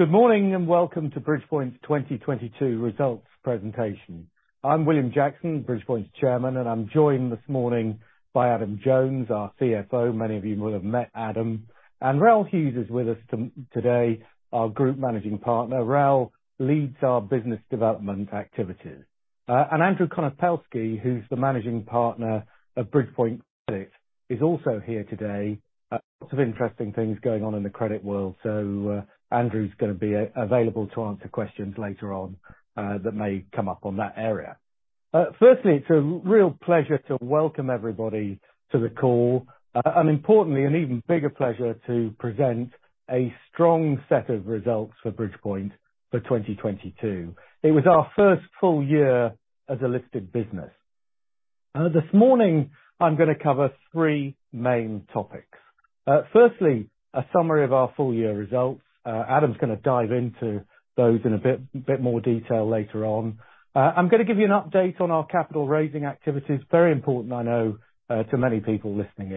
Good morning, welcome to Bridgepoint's 2022 results presentation. I'm William Jackson, Bridgepoint's Chairman. I'm joined this morning by Adam Jones, our CFO. Many of you will have met Adam. Raoul Hughes is with us today, our Group Managing Partner. Raoul leads our business development activities. Andrew Konopelski, who's the Managing Partner of Bridgepoint Credit, is also here today. Lots of interesting things going on in the credit world, Andrew's gonna be available to answer questions later on that may come up on that area. Firstly, it's a real pleasure to welcome everybody to the call. Importantly, an even bigger pleasure to present a strong set of results for Bridgepoint for 2022. It was our first full year as a listed business. This morning, I'm gonna cover three main topics. Firstly, a summary of our full year results. Adam's gonna dive into those in a bit, a bit more detail later on. I'm gonna give you an update on our capital raising activities. Very important, I know, to many people listening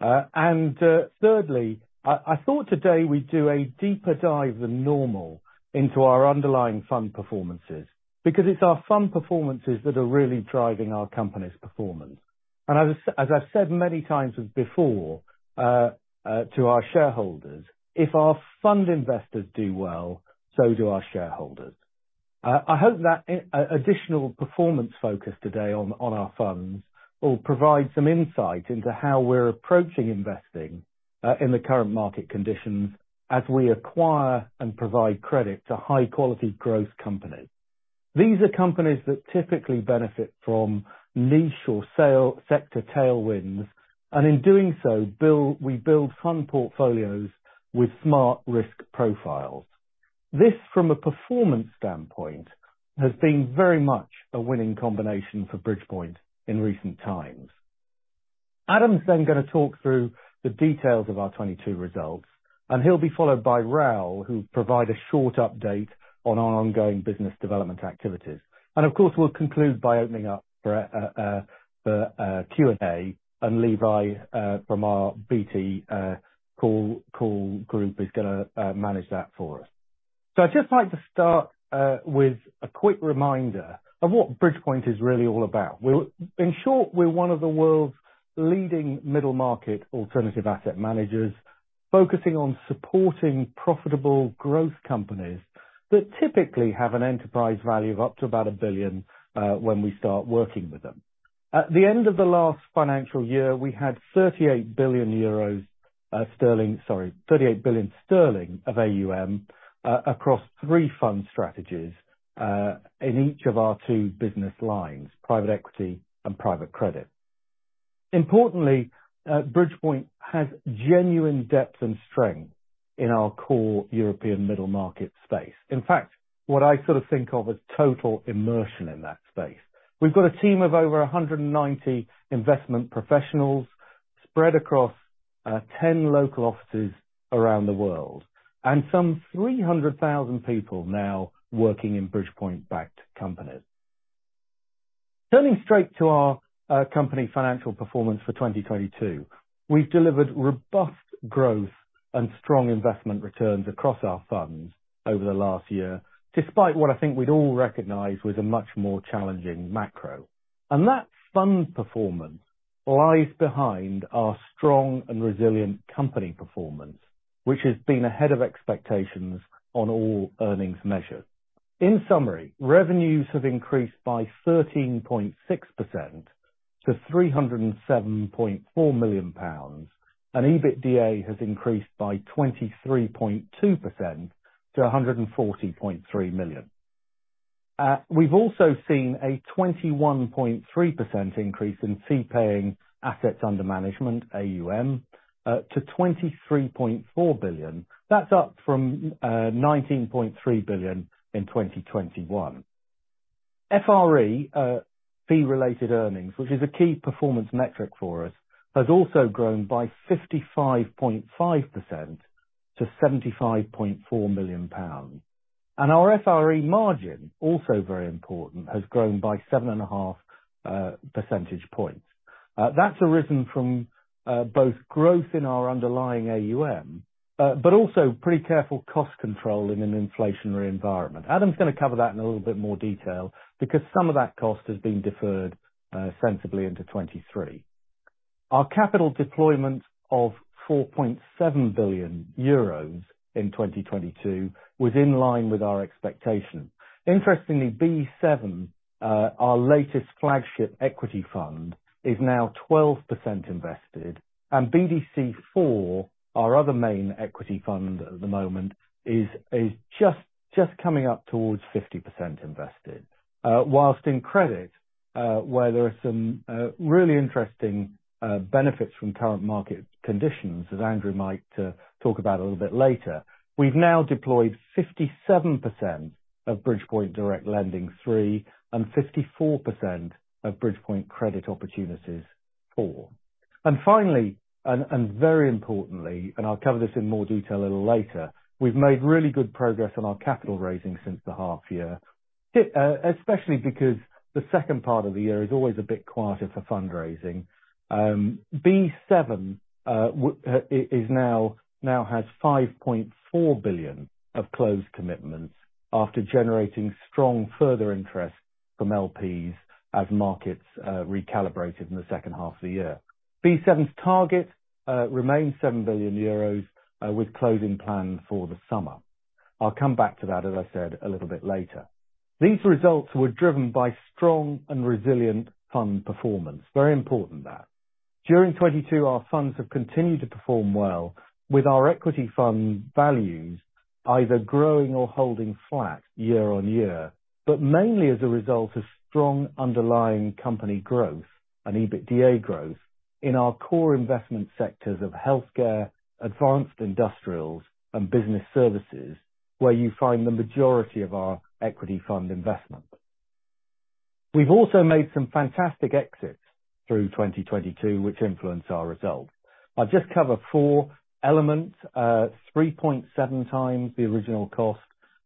in. Thirdly, I thought today we'd do a deeper dive than normal into our underlying fund performances because it's our fund performances that are really driving our company's performance. As I've said many times as before, to our shareholders, if our fund investors do well, so do our shareholders. I hope that additional performance focus today on our funds will provide some insight into how we're approaching investing in the current market conditions as we acquire and provide credit to high quality growth companies. These are companies that typically benefit from niche or sale sector tailwind, and in doing so, we build fund portfolios with smart risk profiles. This, from a performance standpoint, has been very much a winning combination for Bridgepoint in recent times. Adam's then gonna talk through the details of our 2022 results, and he'll be followed by Raoul, who'll provide a short update on our ongoing business development activities. Of course, we'll conclude by opening up for a Q&A, and Levi from our BT call group is gonna manage that for us. I'd just like to start with a quick reminder of what Bridgepoint is really all about. In short, we're one of the world's leading middle market alternative asset managers, focusing on supporting profitable growth companies that typically have an enterprise value of up to about 1 billion when we start working with them. At the end of the last financial year, we had 38 billion euros, sterling... Sorry, 38 billion sterling of AUM across three fund strategies in each of our two business lines, private equity and private credit. Importantly, Bridgepoint has genuine depth and strength in our core European middle market space. In fact, what I sort of think of as total immersion in that space. We've got a team of over 190 investment professionals spread across ten local offices around the world, and some 300,000 people now working in Bridgepoint-backed companies. Turning straight to our company financial performance for 2022. We've delivered robust growth and strong investment returns across our funds over the last year, despite what I think we'd all recognize was a much more challenging macro. That fund performance lies behind our strong and resilient company performance, which has been ahead of expectations on all earnings measures. In summary, revenues have increased by 13.6% to GBP 307.4 million, and EBITDA has increased by 23.2% to 140.3 million. We've also seen a 21.3% increase in Fee-Paying AUM to 23.4 billion. That's up from 19.3 billion in 2021. FRE, Fee-Related Earnings, which is a key performance metric for us, has also grown by 55.5% to 75.4 million pounds. Our FRE margin, also very important, has grown by 7.5 percentage points. That's arisen from both growth in our underlying AUM, but also pretty careful cost control in an inflationary environment. Adam's gonna cover that in a little bit more detail because some of that cost has been deferred, sensibly into 2023. Our capital deployment of 4.7 billion euros in 2022 was in line with our expectations. Interestingly, BE VII, our latest flagship equity fund, is now 12% invested, and BDC IV, our other main equity fund at the moment is just coming up towards 50% invested. Whilst in credit, where there are some really interesting benefits from current market conditions, as Andrew might talk about a little bit later, we've now deployed 57% of Bridgepoint Direct Lending III and 54% of Bridgepoint Credit Opportunities IV. Finally, very importantly, and I'll cover this in more detail a little later, we've made really good progress on our capital raising since the half year. Especially because the second part of the year is always a bit quieter for fundraising. BE VII is now has 5.4 billion of closed commitments after generating strong further interest from LPs as markets recalibrated in the second half of the year. BE VII's target remains 7 billion euros with closing plan for the summer. I'll come back to that, as I said, a little bit later. These results were driven by strong and resilient fund performance. Very important that. During 2022 our funds have continued to perform well with our equity fund values either growing or holding flat year-on-year. Mainly as a result of strong underlying company growth and EBITDA growth in our core investment sectors of healthcare, advanced industrials and business services, where you find the majority of our equity fund investment. We've also made some fantastic exits through 2022, which influence our results. I'll just cover four elements. 3.7 times the original cost.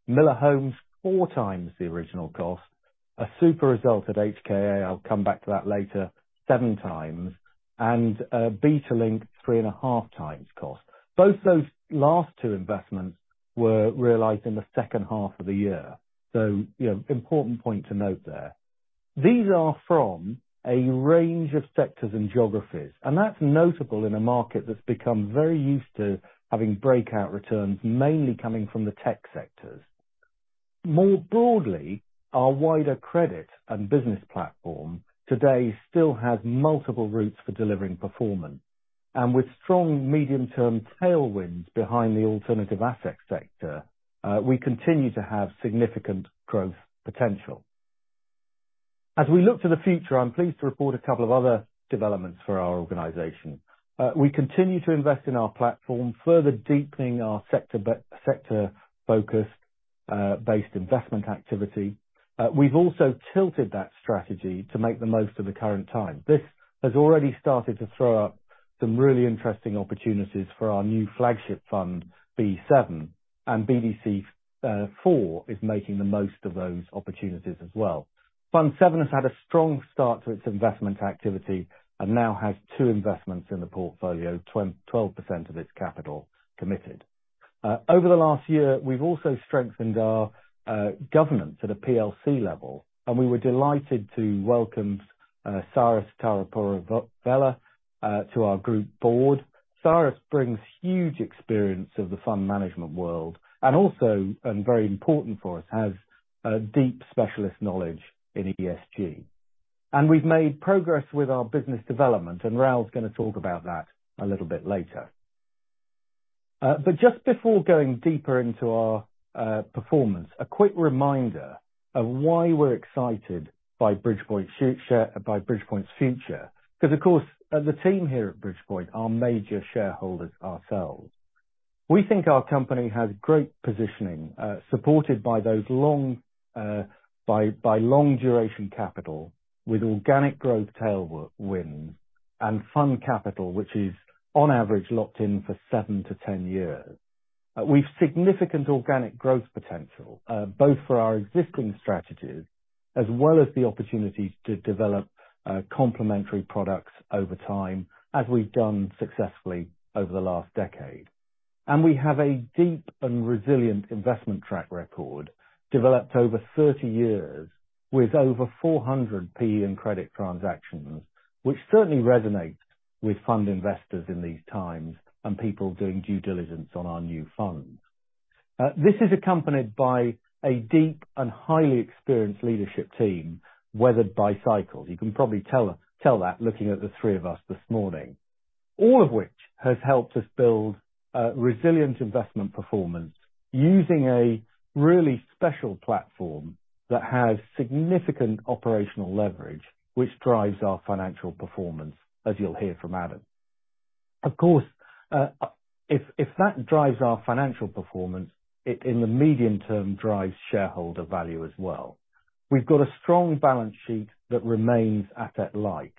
Miller Homes, four times the original cost. A super result at HKA, I'll come back to that later, seven times and Betalynk, 3.5 times cost. Both those last two investments were realized in the second half of the year, you know, important point to note there. These are from a range of sectors and geographies, and that's notable in a market that's become very used to having breakout returns, mainly coming from the tech sectors. More broadly, our wider credit and business platform today still has multiple routes for delivering performance. With strong medium-term tailwinds behind the alternative asset sector, we continue to have significant growth potential. As we look to the future, I'm pleased to report a couple of other developments for our organization. We continue to invest in our platform, further deepening our sector-focused, based investment activity. We've also tilted that strategy to make the most of the current time. This has already started to throw up some really interesting opportunities for our new flagship fund, BE VII, and BDC IV is making the most of those opportunities as well. Fund VII has had a strong start to its investment activity and now has two investments in the portfolio, 12% of its capital committed. Over the last year, we've also strengthened our governance at a PLC level, and we were delighted to welcome Cyrus Taraporevala to our group board. Cyrus brings huge experience of the fund management world and also, very important for us, has a deep specialist knowledge in ESG. We've made progress with our business development, Raoul's gonna talk about that a little bit later. Just before going deeper into our performance, a quick reminder of why we're excited by Bridgepoint's future, 'cause of course, as a team here at Bridgepoint our major shareholder is ourselves. We think our company has great positioning, supported by those long, by long duration capital with organic growth tailwind and fund capital, which is on average locked in for 7-10 years. We've significant organic growth potential, both for our existing strategies as well as the opportunities to develop complementary products over time, as we've done successfully over the last decade. We have a deep and resilient investment track record developed over 30 years with over 400 PE and credit transactions, which certainly resonates with fund investors in these times and people doing due diligence on our new funds. This is accompanied by a deep and highly experienced leadership team weathered by cycles. You can probably tell that looking at the three of us this morning. All of which has helped us build a resilient investment performance using a really special platform that has significant operational leverage, which drives our financial performance, as you'll hear from Adam. Of course, if that drives our financial performance, it in the medium term drives shareholder value as well. We've got a strong balance sheet that remains asset light.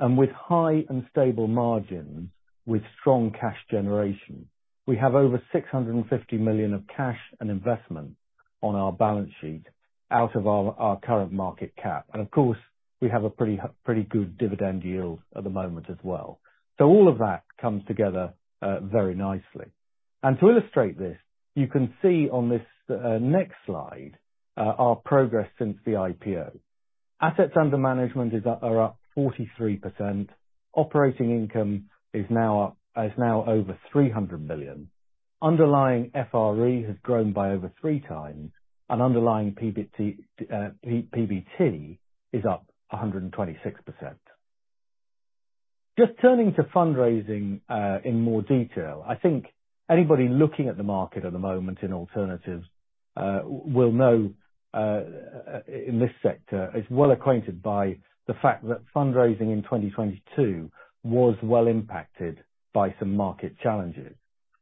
With high unstable margins, with strong cash generation, we have over 650 million of cash and investment on our balance sheet out of our current market cap. Of course, we have a pretty good dividend yield at the moment as well. All of that comes together very nicely. To illustrate this, you can see on this next slide, our progress since the IPO. Assets under management is up, are up 43%. Operating income is now over 300 million. Underlying FRE has grown by over three times, and underlying PBT is up 126%. Just turning to fundraising in more detail. I think anybody looking at the market at the moment in alternatives will know in this sector, is well acquainted by the fact that fundraising in 2022 was well impacted by some market challenges.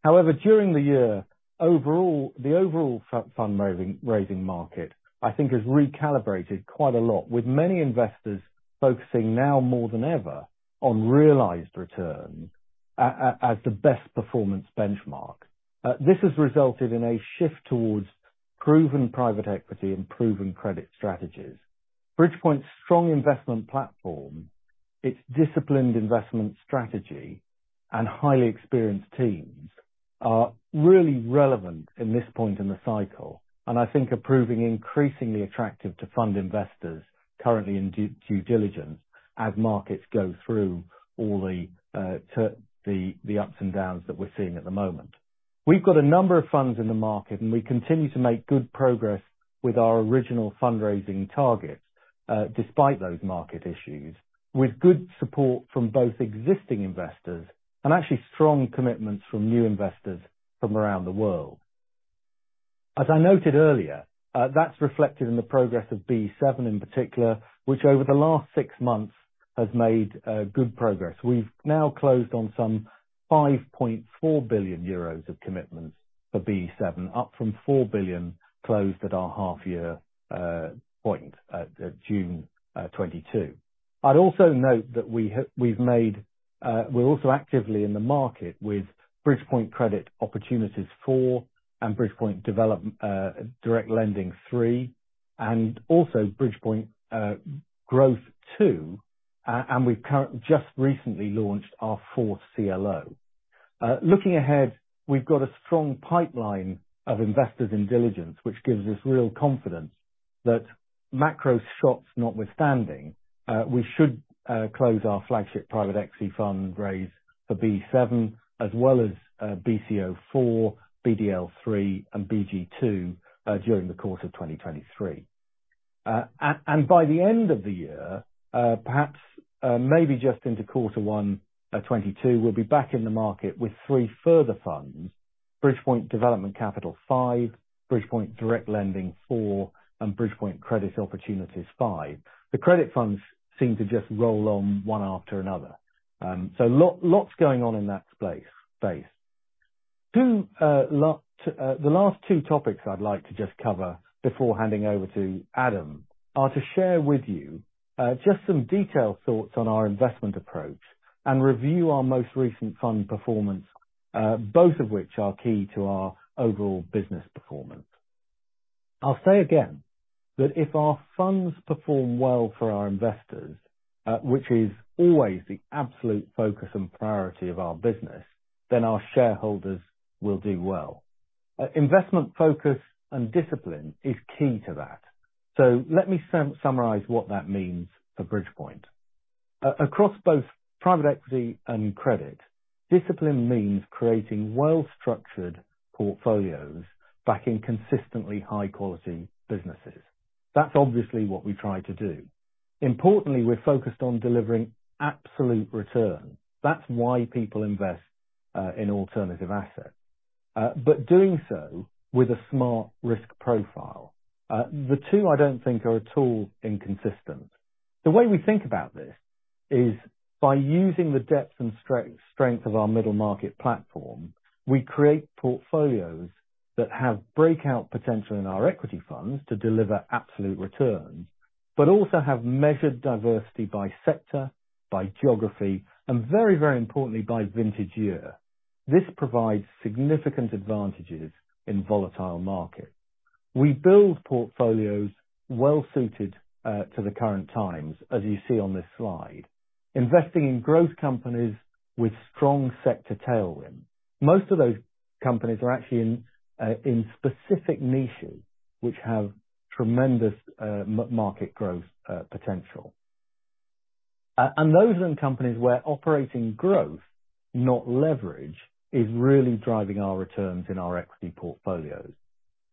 However, during the year, overall, the overall fundraising market, I think has recalibrated quite a lot, with many investors focusing now more than ever on realized returns as the best performance benchmark. This has resulted in a shift towards proven private equity and proven credit strategies. Bridgepoint's strong investment platform, its disciplined investment strategy and highly experienced teams are really relevant in this point in the cycle. I think are proving increasingly attractive to fund investors currently in due diligence as markets go through all the ups and downs that we're seeing at the moment. We've got a number of funds in the market, and we continue to make good progress with our original fundraising targets, despite those market issues, with good support from both existing investors and actually strong commitments from new investors from around the world. As I noted earlier, that's reflected in the progress of BE VII in particular, which over the last six months has made good progress. We've now closed on some 5.4 billion euros of commitments for BE VII, up from 4 billion closed at our half year point at June 2022. I'd also note that we've made, we're also actively in the market with Bridgepoint Credit Opportunities IV and Bridgepoint Direct Lending III, and also Bridgepoint Growth II. We've just recently launched our fourth CLO. Looking ahead, we've got a strong pipeline of investors in diligence, which gives us real confidence that macro shots notwithstanding, we should close our flagship private equity fund raise for BE VII, as well as BCO IV, BDL III, and BG II, during the course of 2023. By the end of the year, perhaps maybe just into Q1 of 2022, we'll be back in the market with three further funds, Bridgepoint Development Capital V, Bridgepoint Direct Lending IV, and Bridgepoint Credit Opportunities V. The credit funds seem to just roll on one after another. Lots going on in that space. Two last. The last two topics I'd like to just cover before handing over to Adam are to share with you just some detailed thoughts on our investment approach and review our most recent fund performance, both of which are key to our overall business performance. I'll say again that if our funds perform well for our investors, which is always the absolute focus and priority of our business, our shareholders will do well. Investment focus and discipline is key to that. Let me summarize what that means for Bridgepoint. Across both private equity and credit, discipline means creating well-structured portfolios backing consistently high-quality businesses. That's obviously what we try to do. Importantly, we're focused on delivering absolute return. That's why people invest in alternative assets. Doing so with a smart risk profile. The two, I don't think are at all inconsistent. The way we think about this is by using the depth and strength of our middle market platform, we create portfolios that have breakout potential in our equity funds to deliver absolute returns, but also have measured diversity by sector, by geography, and very, very importantly, by vintage year. This provides significant advantages in volatile markets. We build portfolios well suited to the current times, as you see on this slide, investing in growth companies with strong sector tailwind. Most of those companies are actually in specific niches which have tremendous market growth potential. Those are the companies where operating growth, not leverage, is really driving our returns in our equity portfolios.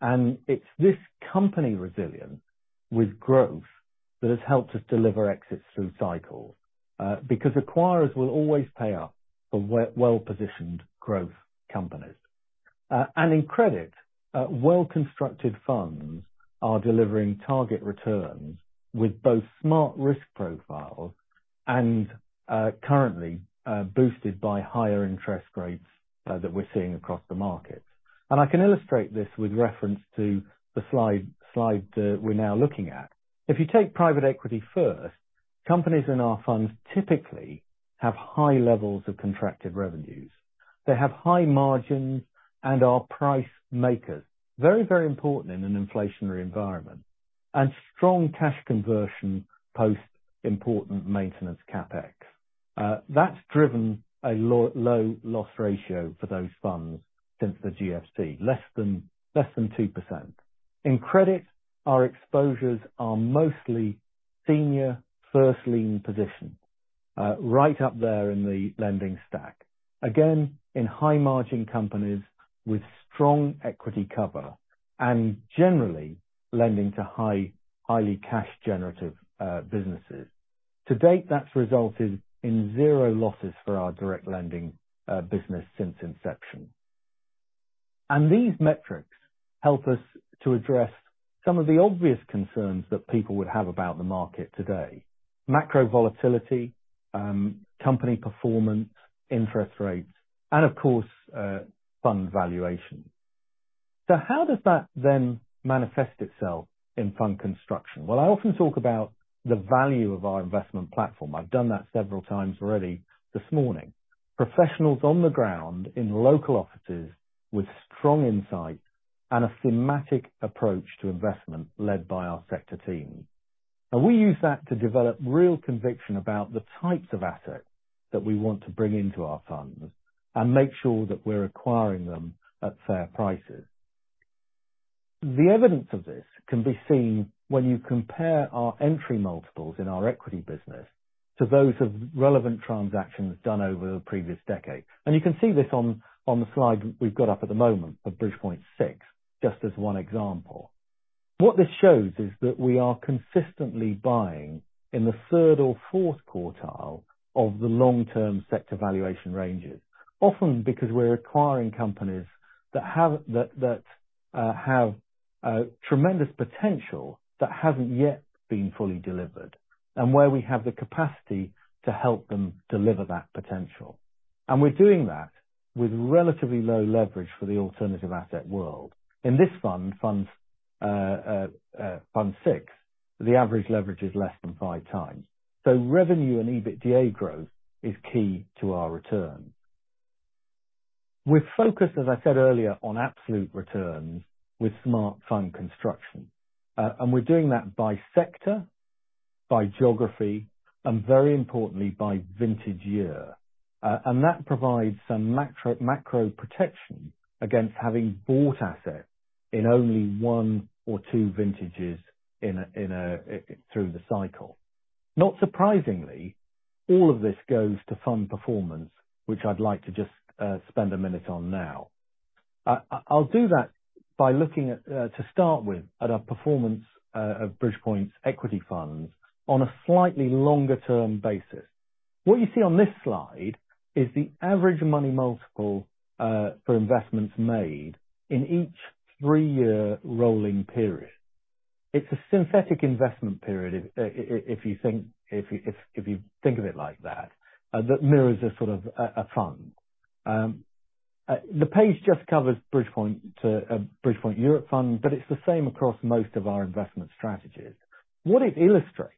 It's this company resilience with growth that has helped us deliver exits through cycles. Because acquirers will always pay up for well-positioned growth companies. In credit, well-constructed funds are delivering target returns with both smart risk profiles and currently boosted by higher interest rates that we're seeing across the markets. I can illustrate this with reference to the slide we're now looking at. If you take private equity first, companies in our funds typically have high levels of contracted revenues. They have high margins and are price makers. Very, very important in an inflationary environment. Strong cash conversion post important maintenance Capex. That's driven a low loss ratio for those funds since the GFC, less than 2%. In credit, our exposures are mostly senior first lien positions, right up there in the lending stack. Again, in high margin companies with strong equity cover and generally lending to high, highly cash generative businesses. To date, that's resulted in zero losses for our direct lending business since inception. These metrics help us to address some of the obvious concerns that people would have about the market today. Macro volatility, company performance, interest rates, and of course, fund valuation. How does that then manifest itself in fund construction? Well, I often talk about the value of our investment platform. I've done that seveRaoul times already this morning. Professionals on the ground in local offices with strong insight and a thematic approach to investment led by our sector team. We use that to develop real conviction about the types of assets that we want to bring into our funds and make sure that we're acquiring them at fair prices. The evidence of this can be seen when you compare our entry multiples in our equity business to those of relevant transactions done over the previous decade. You can see this on the slide we've got up at the moment of Bridgepoint six, just as one example. What this shows is that we are consistently buying in the third or fourth quartile of the long-term sector valuation ranges, often because we're acquiring companies that have tremendous potential that hasn't yet been fully delivered, and where we have the capacity to help them deliver that potential. We're doing that with relatively low leverage for the alternative asset world. In this Fund VI, the average leverage is less than five times. Revenue and EBITDA growth is key to our return. We're focused, as I said earlier, on absolute returns with smart fund construction. We're doing that by sector, by geography, and very importantly, by vintage year. That provides some macro protection against having bought assets in only one or two vintages in a through the cycle. Not surprisingly, all of this goes to fund performance, which I'd like to just spend a minute on now. I'll do that by looking at, to start with, at our performance of Bridgepoint's equity funds on a slightly longer term basis. What you see on this slide is the average money multiple for investments made in each three-year rolling period. It's a synthetic investment period if you think of it like that mirrors a sort of a fund. The page just covers Bridgepoint Europe Fund, it's the same across most of our investment strategies. What it illustrates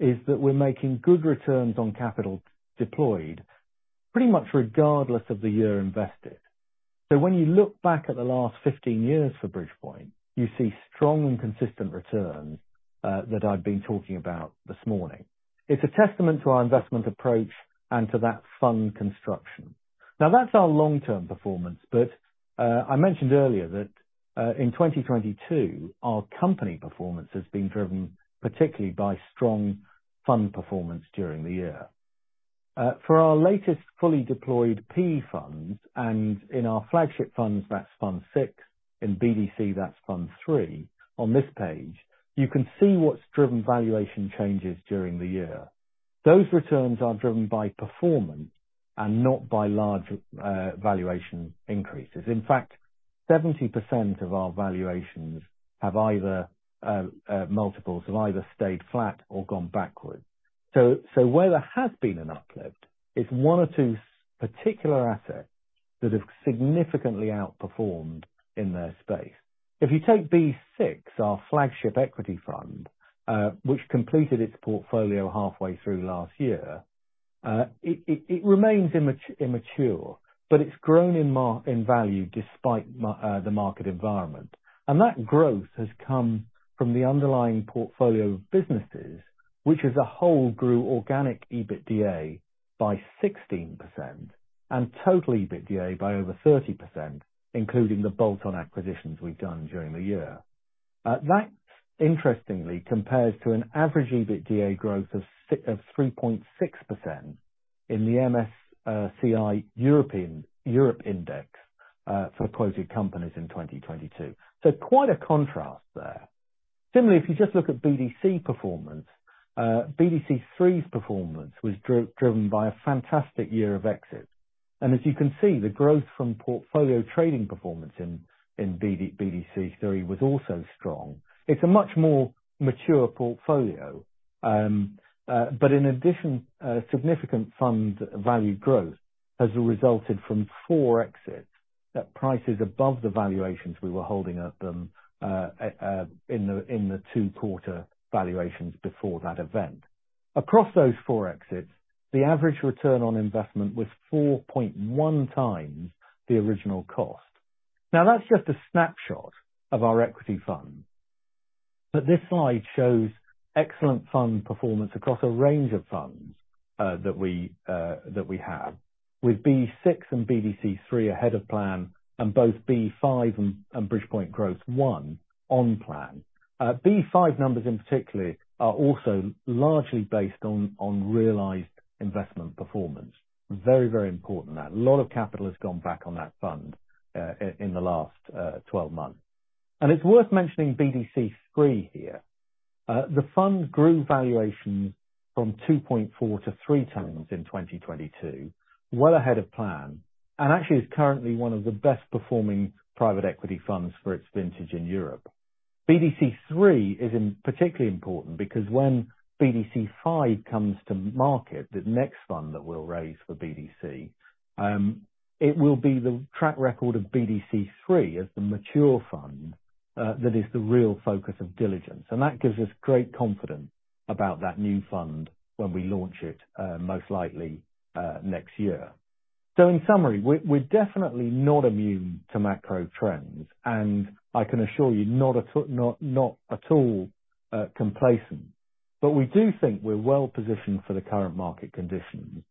is that we're making good returns on capital deployed pretty much regardless of the year invested. When you look back at the last 15 years for Bridgepoint, you see strong and consistent returns that I've been talking about this morning. It's a testament to our investment approach and to that fund construction. That's our long-term performance, I mentioned earlier that in 2022, our company performance has been driven particularly by strong fund performance during the year. For our latest fully deployed P-funds and in our flagship funds, that's Fund VI, in BDC, that's Fund III, on this page, you can see what's driven valuation changes during the year. Those returns are driven by performance and not by large valuation increases. In fact, 70% of our valuations have either stayed flat or gone backwards. Where there has been an uplift, it's one or two particular assets that have significantly outperformed in their space. If you take BE 6, our flagship equity fund, which completed its portfolio halfway through last year, it remains immature, but it's grown in value despite the market environment. That growth has come from the underlying portfolio of businesses, which as a whole, grew organic EBITDA by 16% and total EBITDA by over 30%, including the bolt-on acquisitions we've done during the year. That interestingly compares to an average EBITDA growth of 3.6% in the MSCI Europe Index for quoted companies in 2022. Quite a contrast there. Similarly, if you just look at BDC performance, BDC three's performance was driven by a fantastic year of exits. As you can see, the growth from portfolio trading performance in BDC three was also strong. It's a much more mature portfolio. In addition, significant fund value growth has resulted from four exits at prices above the valuations we were holding at them, in the Q2 valuations before that event. Across those four exits, the average ROI was 4.1 times the original cost. That's just a snapshot of our equity fund. This slide shows excellent fund performance across a range of funds that we have. With BE VI and Bridgepoint Development Capital III ahead of plan, and both BE V and Bridgepoint Growth I on plan. BE V numbers in particular are also largely based on realized investment performance. Very important. A lot of capital has gone back on that fund in the last 12 months. It's worth mentioning Bridgepoint Development Capital III here. The fund grew valuation from 2.4 to three times in 2022, well ahead of plan, and actually is currently one of the best performing private equity funds for its vintage in Europe. BDC III is particularly important because when BDC V comes to market, the next fund that we'll raise for BDC, it will be the track record of BDC III as the mature fund, that is the real focus of diligence, and that gives us great confidence about that new fund when we launch it, most likely next year. In summary, we're definitely not immune to macro trends, and I can assure you, not at all complacent. We do think we're well-positioned for the current market conditions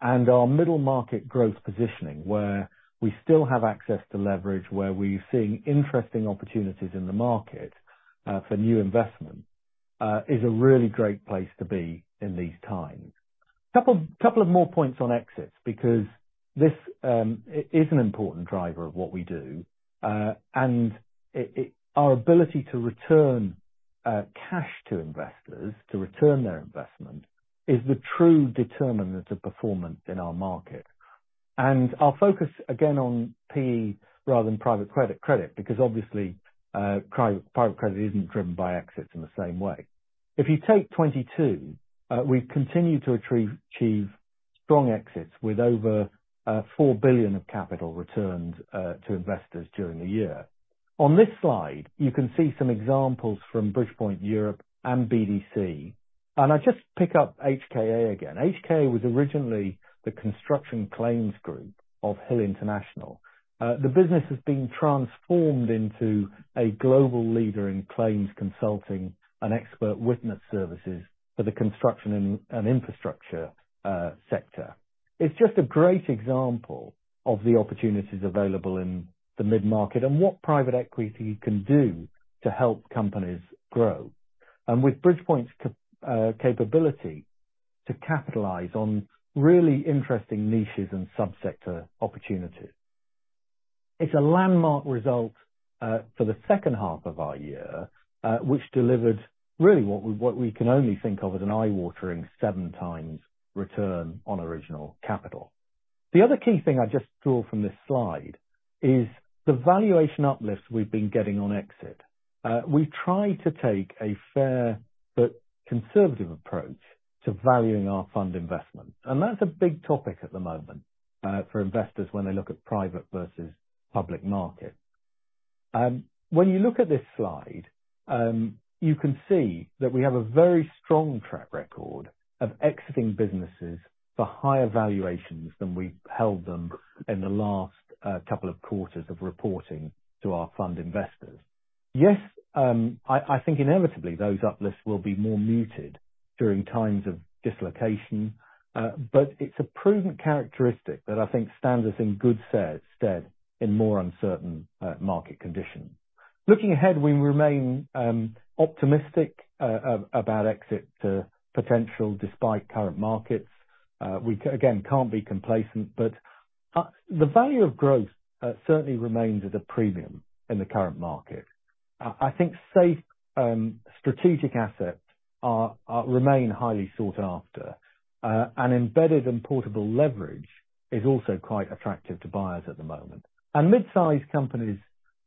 and our middle-market growth positioning where we still have access to leverage, where we're seeing interesting opportunities in the market for new investment is a really great place to be in these times. Couple of more points on exits, because this is an important driver of what we do, and our ability to return cash to investors to return their investment is the true determinant of performance in our market. I'll focus again on PE rather than private credit because obviously private credit isn't driven by exits in the same way. If you take 2022, we continue to achieve strong exits with over 4 billion of capital returned to investors during the year. On this slide, you can see some examples from Bridgepoint Europe and BDC. I just pick up HKA again. HKA was originally the construction claims group of Hill International. The business has been transformed into a global leader in claims consulting and expert witness services for the construction and infrastructure sector. It's just a great example of the opportunities available in the mid-market and what private equity can do to help companies grow. With Bridgepoint's capability to capitalize on really interesting niches and subsector opportunities. It's a landmark result for the second half of our year, which delivered really what we can only think of as an eye-watering seven times return on original capital. The other key thing I just draw from this slide is the valuation uplifts we've been getting on exit. We try to take a fair but conservative approach to valuing our fund investment. That's a big topic at the moment for investors when they look at private versus public markets. When you look at this slide, you can see that we have a very strong track record of exiting businesses for higher valuations than we held them in the last couple of quarters of reporting to our fund investors. Yes, I think inevitably those uplifts will be more muted during times of dislocation. It's a proven characteristic that I think stands us in good stead in more uncertain market conditions. Looking ahead, we remain optimistic about exit potential despite current markets. We again, can't be complacent. The value of growth certainly remains at a premium in the current market. I think safe strategic assets remain highly sought after. Embedded and portable leverage is also quite attractive to buyers at the moment. Mid-size companies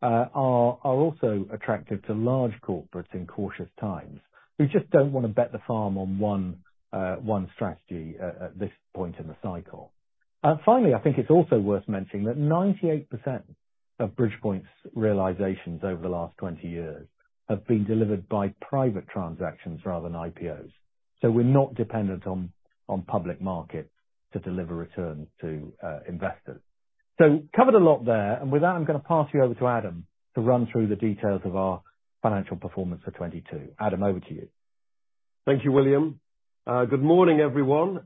are also attractive to large corporates in cautious times who just don't wanna bet the farm on one strategy at this point in the cycle. Finally, I think it's also worth mentioning that 98% of Bridgepoint's realizations over the last 20 years have been delivered by private transactions rather than IPOs. We're not dependent on public markets to deliver returns to investors. Covered a lot there, and with that, I'm gonna pass you over to Adam to run through the details of our financial performance for 2022. Adam, over to you. Thank you, William. Good morning, everyone.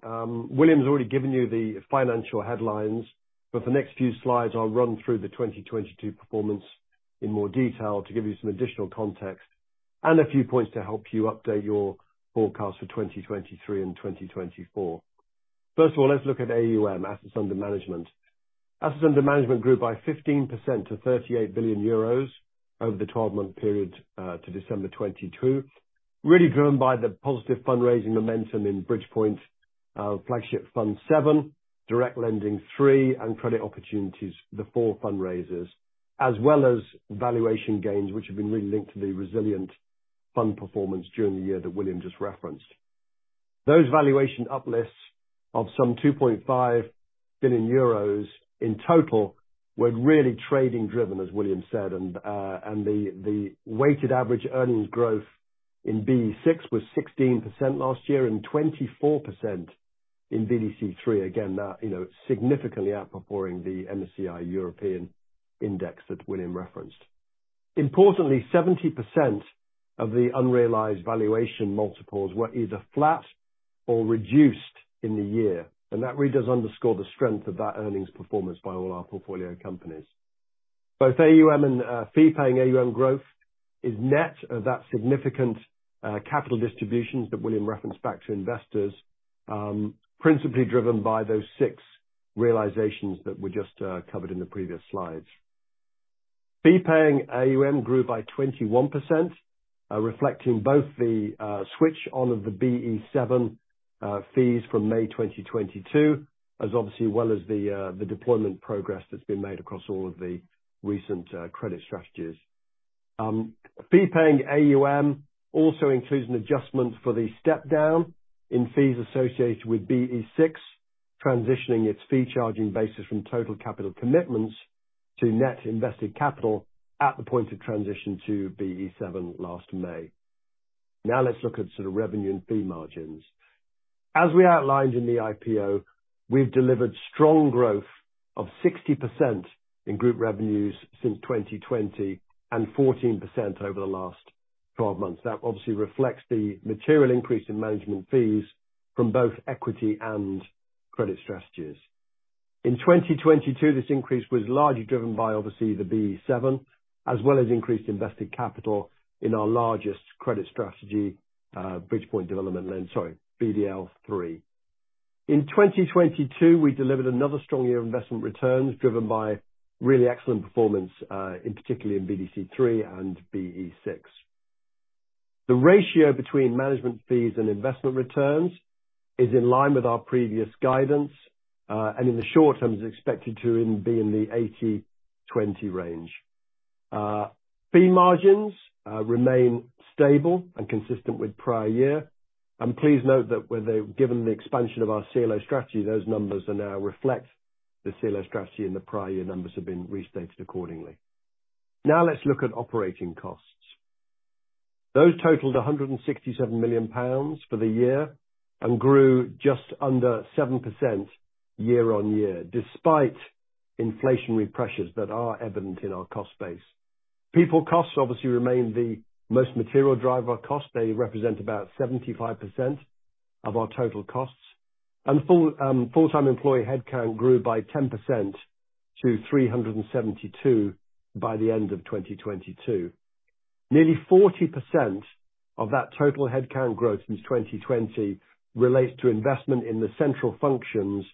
William's already given you the financial headlines. The next few slides, I'll run through the 2022 performance in more detail to give you some additional context and a few points to help you update your forecast for 2023 and 2024. First of all, let's look at AUM, assets under management. Assets under management grew by 15% to 38 billion euros over the 12-month period to December 2022, really driven by the positive fundraising momentum in Bridgepoint's flagship Fund VII, direct lending three, and credit opportunities, the four fundraisers, as well as valuation gains which have been really linked to the resilient fund performance during the year that William just referenced. Those valuation uplifts of some 2.5 billion euros in total were really trading driven, as William said. The weighted average earnings growth in BE VI was 16% last year and 24% in BDC III. Again, that, you know, significantly outperforming the MSCI Europe Index that William referenced. Importantly, 70% of the unrealized valuation multiples were either flat or reduced in the year, and that really does underscore the strength of that earnings performance by all our portfolio companies. Both AUM and Fee-Paying AUM growth is net of that significant capital distributions that William referenced back to investors, principally driven by those six realizations that were just covered in the previous slides. Fee-Paying AUM grew by 21%. Reflecting both the switch on of the BE VII fees from May 2022, as obviously well as the deployment progress that's been made across all of the recent credit strategies. Fee-Paying AUM also includes an adjustment for the step down in fees associated with BE six, transitioning its fee charging basis from total capital commitments to net invested capital at the point of transition to BE seven last May. Let's look at sort of revenue and fee margins. As we outlined in the IPO, we've delivered strong growth of 60% in group revenues since 2020, and 14% over the last 12 months. That obviously reflects the material increase in management fees from both equity and credit strategies. In 2022, this increase was largely driven by obviously the BE seven, as well as increased invested capital in our largest credit strategy, BDL three. In 2022, we delivered another strong year of investment returns driven by really excellent performance, in particularly in BDC three and BE six. The ratio between management fees and investment returns is in line with our previous guidance, and in the short term is expected to be in the 80-20 range. Fee margins remain stable and consistent with prior year. Please note that given the expansion of our CLO strategy, those numbers now reflect the CLO strategy, and the prior year numbers have been restated accordingly. Now let's look at operating costs. Those totaled 167 million pounds for the year and grew just under 7% year-over-year, despite inflationary pressures that are evident in our cost base. People costs obviously remain the most material driver of cost. They represent about 75% of our total costs. Full-time employee headcount grew by 10% to 372 by the end of 2022. Nearly 40% of that total headcount growth since 2020 relates to investment in the centRaoul functions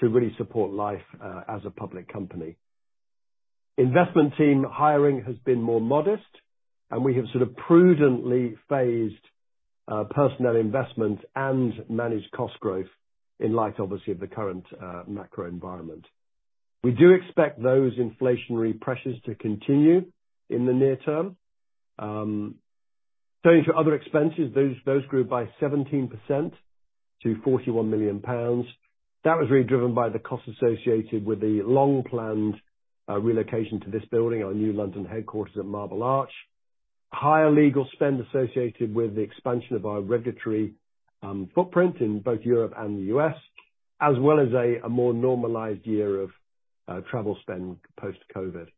to really support life as a public company. Investment team hiring has been more modest, we have sort of prudently phased personnel investment and managed cost growth in light obviously of the current macro environment. We do expect those inflationary pressures to continue in the near term. Turning to other expenses, those grew by 17% to 41 million pounds. That was really driven by the costs associated with the long-planned relocation to this building, our new London headquarters at Marble Arch. Higher legal spend associated with the expansion of our regulatory footprint in both Europe and the U.S., as well as a more normalized year of travel spend post-COVID.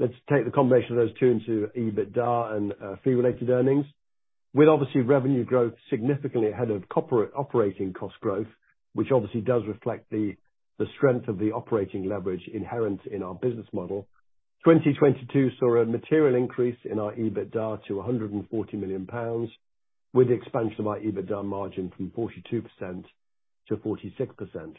Let's take the combination of those two into EBITDA and fee-related earnings. With obviously revenue growth significantly ahead of corporate operating cost growth, which obviously does reflect the strength of the operating leverage inherent in our business model. 2022 saw a material increase in our EBITDA to 140 million pounds with the expansion of our EBITDA margin from 42% to 46%.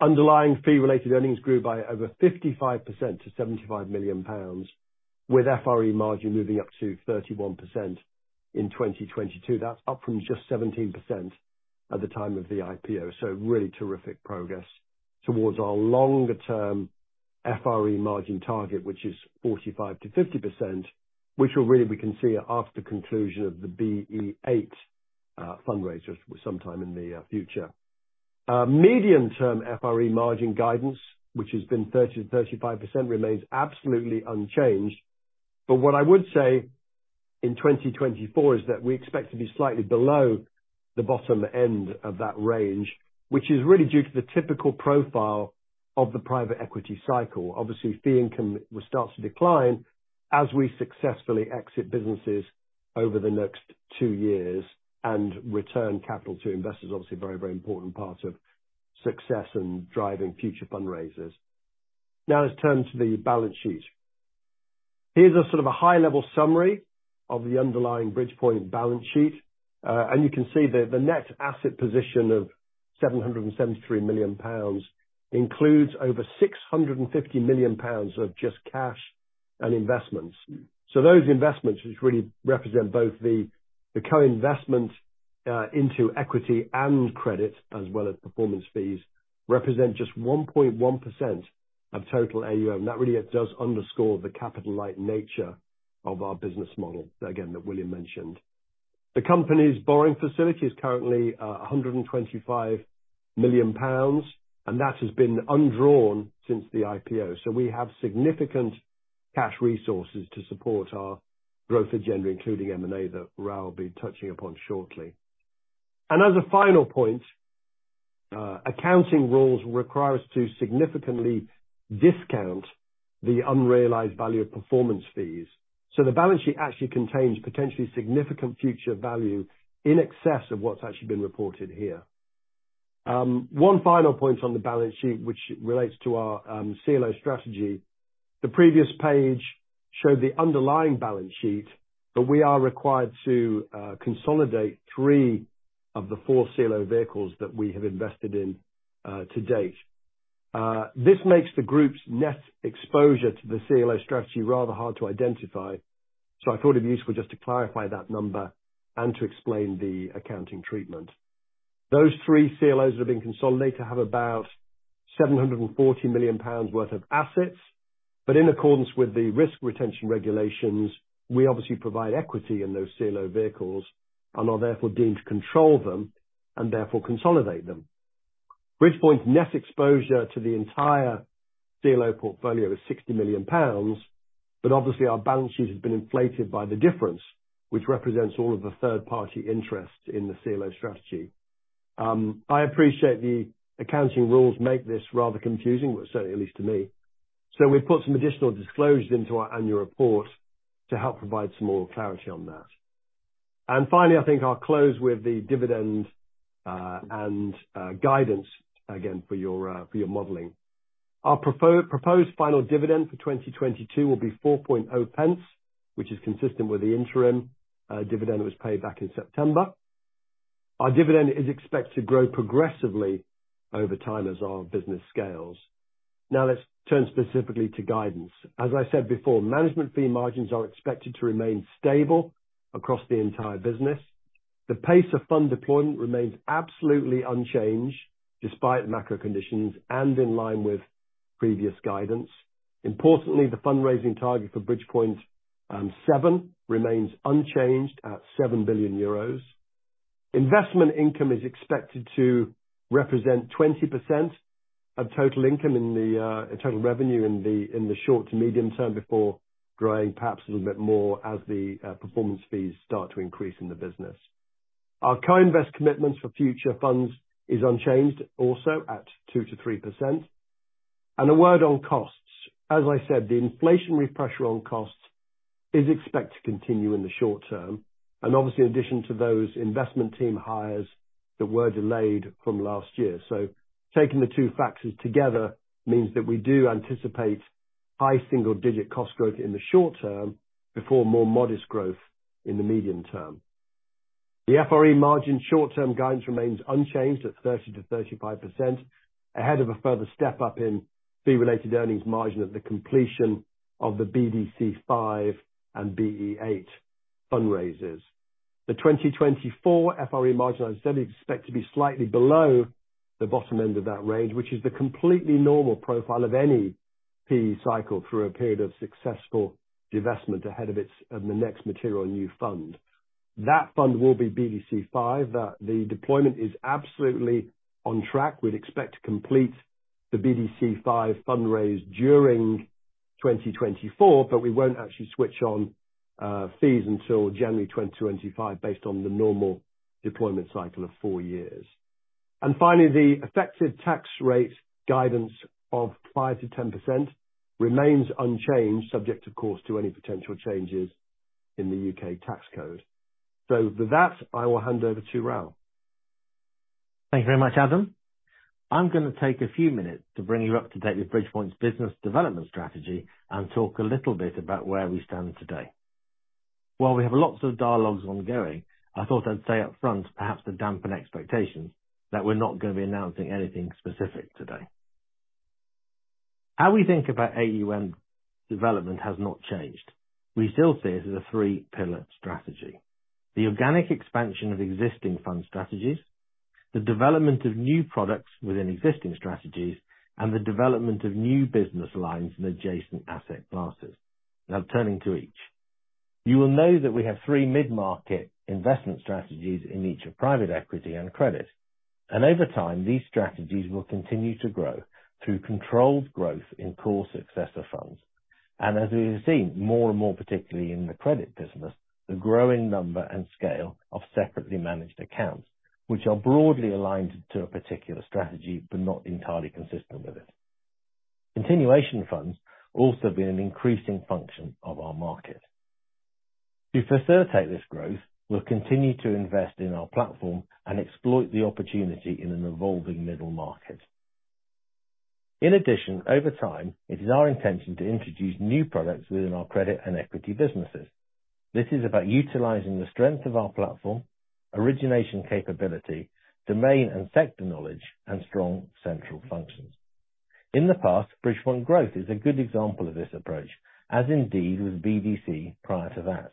Underlying fee-related earnings grew by over 55% to 75 million pounds, with FRE margin moving up to 31% in 2022. That's up from just 17% at the time of the IPO. Really terrific progress towards our longer term FRE margin target, which is 45%-50%, which will really be conceived after conclusion of the BE eight fundraisers sometime in the future. Medium term FRE margin guidance, which has been 30%-35%, remains absolutely unchanged. What I would say in 2024 is that we expect to be slightly below the bottom end of that range, which is really due to the typical profile of the private equity cycle. Obviously, fee income will start to decline as we successfully exit businesses over the next two years and return capital to investors. Obviously, very important part of success in driving future fundraisers. Let's turn to the balance sheet. Here's a sort of a high-level summary of the underlying Bridgepoint balance sheet. And you can see the net asset position of 773 million pounds includes over 650 million pounds of just cash and investments. Those investments, which really represent both the co-investment, into equity and credit as well as performance fees, represent just 1.1% of total AUM. That really does underscore the capital-light nature of our business model, again, that William mentioned. The company's borrowing facility is currently 125 million pounds, and that has been undrawn since the IPO. We have significant cash resources to support our growth agenda, including M&A, that Rao will be touching upon shortly. As a final point, accounting rules require us to significantly discount the unrealized value of performance fees. The balance sheet actually contains potentially significant future value in excess of what's actually been reported here. One final point on the balance sheet, which relates to our CLO strategy. The previous page showed the underlying balance sheet. We are required to consolidate three of the four CLO vehicles that we have invested in to date. This makes the group's net exposure to the CLO strategy rather hard to identify. I thought it'd be useful just to clarify that number and to explain the accounting treatment. Those three CLOs that have been consolidated have about 740 million pounds worth of assets. In accordance with the risk retention regulations, we obviously provide equity in those CLO vehicles and are therefore deemed to control them and therefore consolidate them. Bridgepoint net exposure to the entire CLO portfolio is 60 million pounds. Obviously our balance sheet has been inflated by the difference which represents all of the third-party interest in the CLO strategy. I appreciate the accounting rules make this rather confusing, but certainly at least to me. We put some additional disclosures into our annual report to help provide some more clarity on that. Finally, I think I'll close with the dividend and guidance again for your for your modeling. Our proposed final dividend for 2022 will be 4.0 pence, which is consistent with the interim dividend that was paid back in September. Our dividend is expected to grow progressively over time as our business scales. Now, let's turn specifically to guidance. As I said before, management fee margins are expected to remain stable across the entire business. The pace of fund deployment remains absolutely unchanged despite macro conditions and in line with previous guidance. Importantly, the fundraising target for Bridgepoint seven remains unchanged at 7 billion euros. Investment income is expected to represent 20% of total income in the total revenue in the short to medium term before growing perhaps a little bit more as the performance fees start to increase in the business. Our co-invest commitments for future funds is unchanged also at 2%-3%. A word on costs. As I said, the inflationary pressure on costs is expected to continue in the short term and obviously in addition to those investment team hires that were delayed from last year. Taking the two factors together means that we do anticipate high single digit cost growth in the short term before more modest growth in the medium term. The FRE margin short-term guidance remains unchanged at 30%-35% ahead of a further step up in fee-related earnings margin at the completion of the BDC five and BE eight fundraisers. The 2024 FRE margin, as I said, we expect to be slightly below the bottom end of that range, which is the completely normal profile of any fee cycle through a period of successful divestment ahead of its the next material new fund. That fund will be BDC five. The deployment is absolutely on track. We'd expect to complete the BDC five fundraise during 2024, we won't actually switch on fees until January 2025, based on the normal deployment cycle of four years. Finally, the effective tax rate guidance of 5%-10% remains unchanged, subject of course, to any potential changes in the UK tax code. With that, I will hand over to Raoul. Thank you very much, Adam. I'm gonna take a few minutes to bring you up to date with Bridgepoint's business development strategy and talk a little bit about where we stand today. While we have lots of dialogues ongoing, I thought I'd say up front, perhaps to dampen expectations that we're not gonna be announcing anything specific today. How we think about AUM development has not changed. We still see it as a three-pillar strategy. The organic expansion of existing fund strategies, the development of new products within existing strategies, and the development of new business lines in adjacent asset classes. Turning to each. You will know that we have three mid-market investment strategies in each of private equity and credit. Over time, these strategies will continue to grow through controlled growth in core successor funds. As we have seen more and more particularly in the credit business, the growing number and scale of Separately managed accounts, which are broadly aligned to a particular strategy but not entirely consistent with it. Continuation funds will also be an increasing function of our market. To facilitate this growth, we'll continue to invest in our platform and exploit the opportunity in an evolving middle market. In addition, over time, it is our intention to introduce new products within our credit and equity businesses. This is about utilizing the strength of our platform, origination capability, domain and sector knowledge, and strong centRaoul functions. In the past, Bridgepoint Growth is a good example of this approach, as indeed was BDC prior to that.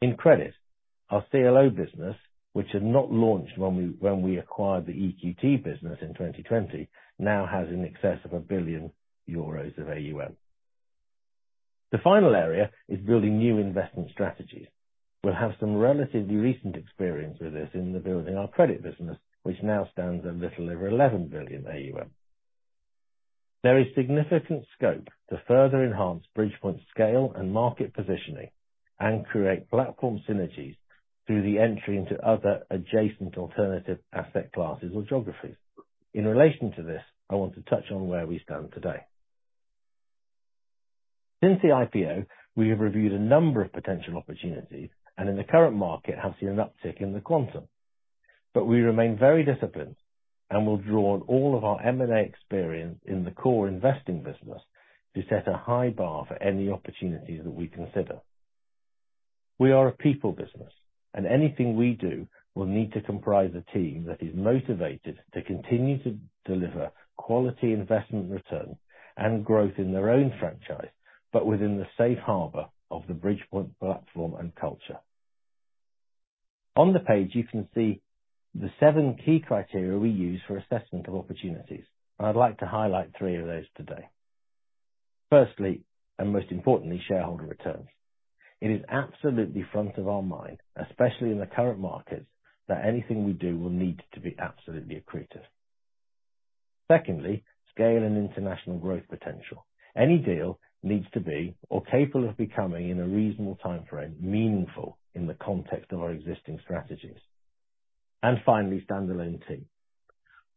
In credit, our CLO business, which had not launched when we acquired the EQT business in 2020, now has in excess of 1 billion euros of AUM. The final area is building new investment strategies. We'll have some relatively recent experience with this in the building our credit business, which now stands at little over 11 billion AUM. There is significant scope to further enhance Bridgepoint's scale and market positioning and create platform synergies through the entry into other adjacent alternative asset classes or geographies. In relation to this, I want to touch on where we stand today. Since the IPO, we have reviewed a number of potential opportunities and in the current market, have seen an uptick in the quantum. We remain very disciplined and will draw on all of our M&A experience in the core investing business to set a high bar for any opportunities that we consider. We are a people business, and anything we do will need to comprise a team that is motivated to continue to deliver quality investment return and growth in their own franchise, but within the safe harbor of the Bridgepoint platform and culture. On the page, you can see the seven key criteria we use for assessment of opportunities, and I'd like to highlight three of those today. Firstly, and most importantly, shareholder returns. It is absolutely front of our mind, especially in the current market, that anything we do will need to be absolutely accretive. Secondly, scale and international growth potential. Any deal needs to be or capable of becoming in a reasonable time frame, meaningful in the context of our existing strategies. Finally, standalone team.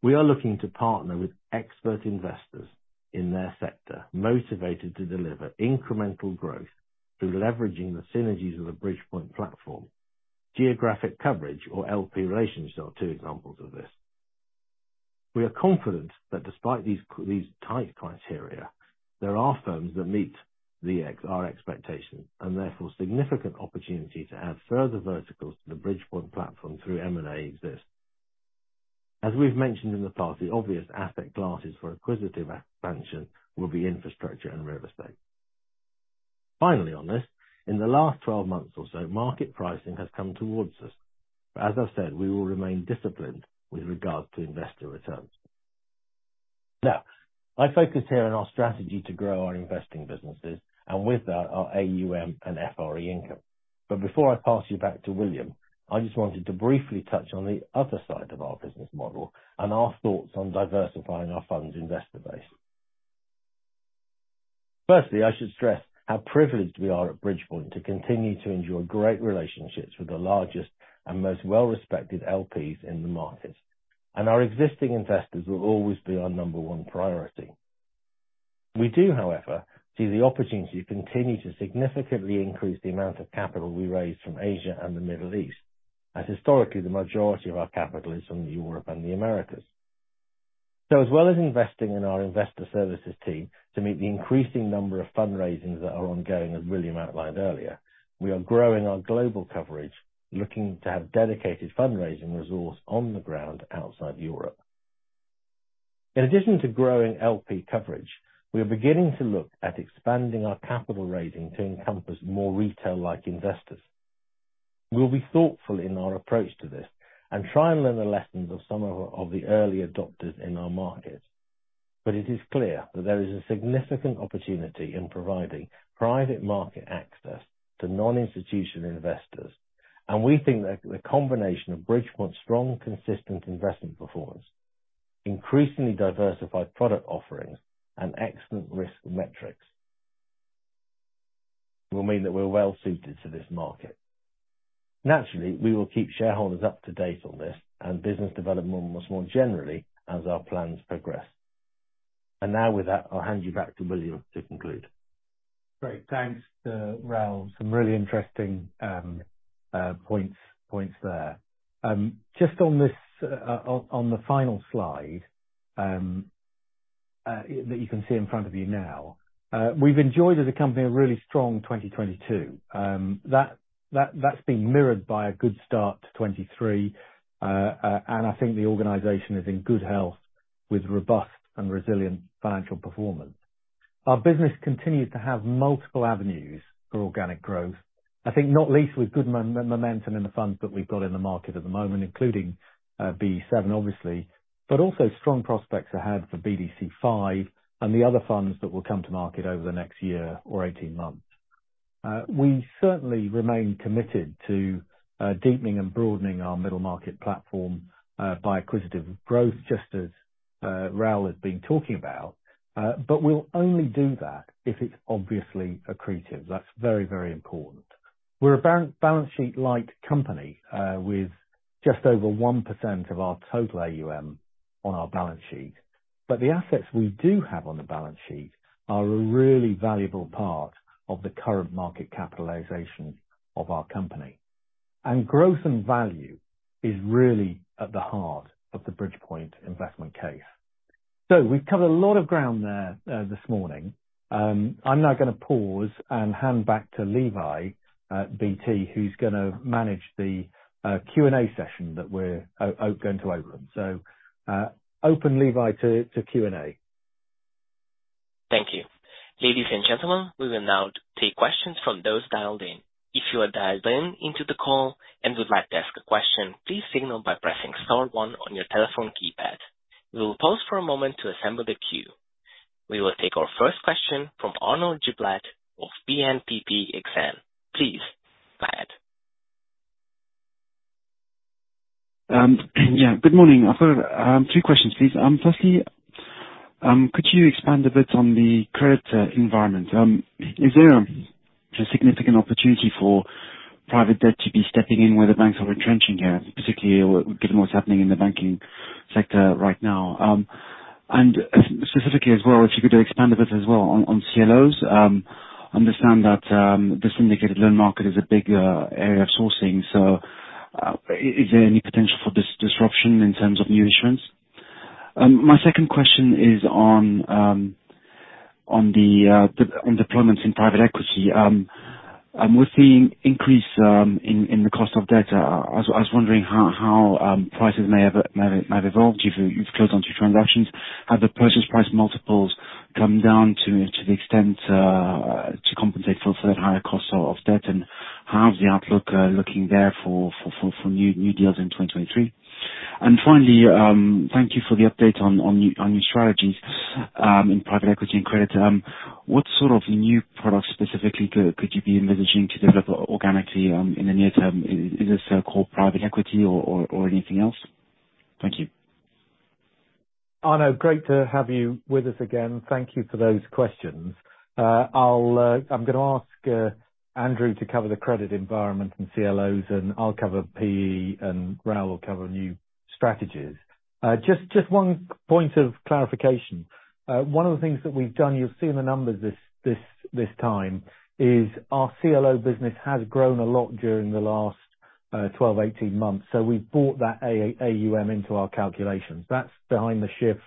We are looking to partner with expert investors in their sector, motivated to deliver incremental growth through leveraging the synergies of the Bridgepoint platform. Geographic coverage or LP relationships are two examples of this. We are confident that despite these tight criteria, there are firms that meet our expectations and therefore significant opportunity to add further verticals to the Bridgepoint platform through M&A exist. As we've mentioned in the past, the obvious asset classes for acquisitive expansion will be infrastructure and real estate. Finally, on this, in the last 12 months or so, market pricing has come towards us. As I've said, we will remain disciplined with regard to investor returns. I focus here on our strategy to grow our investing businesses and with that, our AUM and FRE income. Before I pass you back to William, I just wanted to briefly touch on the other side of our business model and our thoughts on diversifying our fund's investor base. I should stress how privileged we are at Bridgepoint to continue to enjoy great relationships with the largest and most well-respected LPs in the market, and our existing investors will always be our number one priority. We do, however, see the opportunity to continue to significantly increase the amount of capital we raise from Asia and the Middle East as historically the majority of our capital is from Europe and the Americas. As well as investing in our investor services team to meet the increasing number of fundraisings that are ongoing, as William outlined earlier, we are growing our global coverage, looking to have dedicated fundraising resource on the ground outside Europe. In addition to growing LP coverage, we are beginning to look at expanding our capital raising to encompass more retail-like investors. We'll be thoughtful in our approach to this and try and learn the lessons of some of the early adopters in our market. It is clear that there is a significant opportunity in providing private market access to non-institutional investors. We think that the combination of Bridgepoint's strong, consistent investment performance, increasingly diversified product offerings, and excellent risk metrics will mean that we're well suited to this market. Naturally, we will keep shareholders up to date on this and business development more generally as our plans progress. Now with that, I'll hand you back to William to conclude. Great. Thanks, Raoul. Some really interesting points there. Just on this on the final slide that you can see in front of you now, we've enjoyed as a company a really strong 2022. That's been mirrored by a good start to 2023. I think the organization is in good health with robust and resilient financial performance. Our business continues to have multiple avenues for organic growth, I think not least with good momentum in the funds that we've got in the market at the moment, including BE7 obviously, but also strong prospects ahead for BDC Five and the other funds that will come to market over the next year or 18 months. We certainly remain committed to deepening and broadening our middle market platform by acquisitive growth, just as Raoul has been talking about. We'll only do that if it's obviously accretive. That's very, very important. We're a balance sheet light company with just over 1% of our total AUM on our balance sheet. The assets we do have on the balance sheet are a really valuable part of the current market capitalization of our company. Growth and value is really at the heart of the Bridgepoint investment case. We've covered a lot of ground there this morning. I'm now gonna pause and hand back to Levi at BT, who's gonna manage the Q&A session that we're going to open. Open Levi to Q&A. Thank you. Ladies and gentlemen, we will now take questions from those dialed in. If you are dialed into the call and would like to ask a question, please signal by pressing star one on your telephone keypad. We will pause for a moment to assemble the queue. We will take our first question from Arnaud Giblat of BNPP Exane. Please, go ahead. Yeah, good morning. I've got two questions, please. Firstly, could you expand a bit on the current environment? Is there a significant opportunity for private debt to be stepping in where the banks are retrenching here, particularly given what's happening in the banking sector right now? Specifically as well, if you could expand a bit as well on CLOs. Understand that the syndicated loan market is a big area of sourcing. Is there any potential for disruption in terms of new insurance? My second question is on. On the deployments in private equity. With the increase in the cost of debt, I was wondering how prices may have evolved given you've closed on two transactions. Have the purchase price multiples come down to the extent to compensate for that higher cost of debt? How's the outlook looking there for new deals in 2023? Finally, thank you for the update on your strategies in private equity and credit. What sort of new products specifically could you be envisaging to develop organically in the near term? Is this core private equity or anything else? Thank you. Arnaud, great to have you with us again. Thank you for those questions. I'm gonna ask Andrew to cover the credit environment and CLOs, and I'll cover PE, and Raoul will cover new strategies. Just one point of clarification. One of the things that we've done, you'll see in the numbers this time, is our CLO business has grown a lot during the last 12, 18 months. We've brought that AUM into our calculations. That's behind the shift,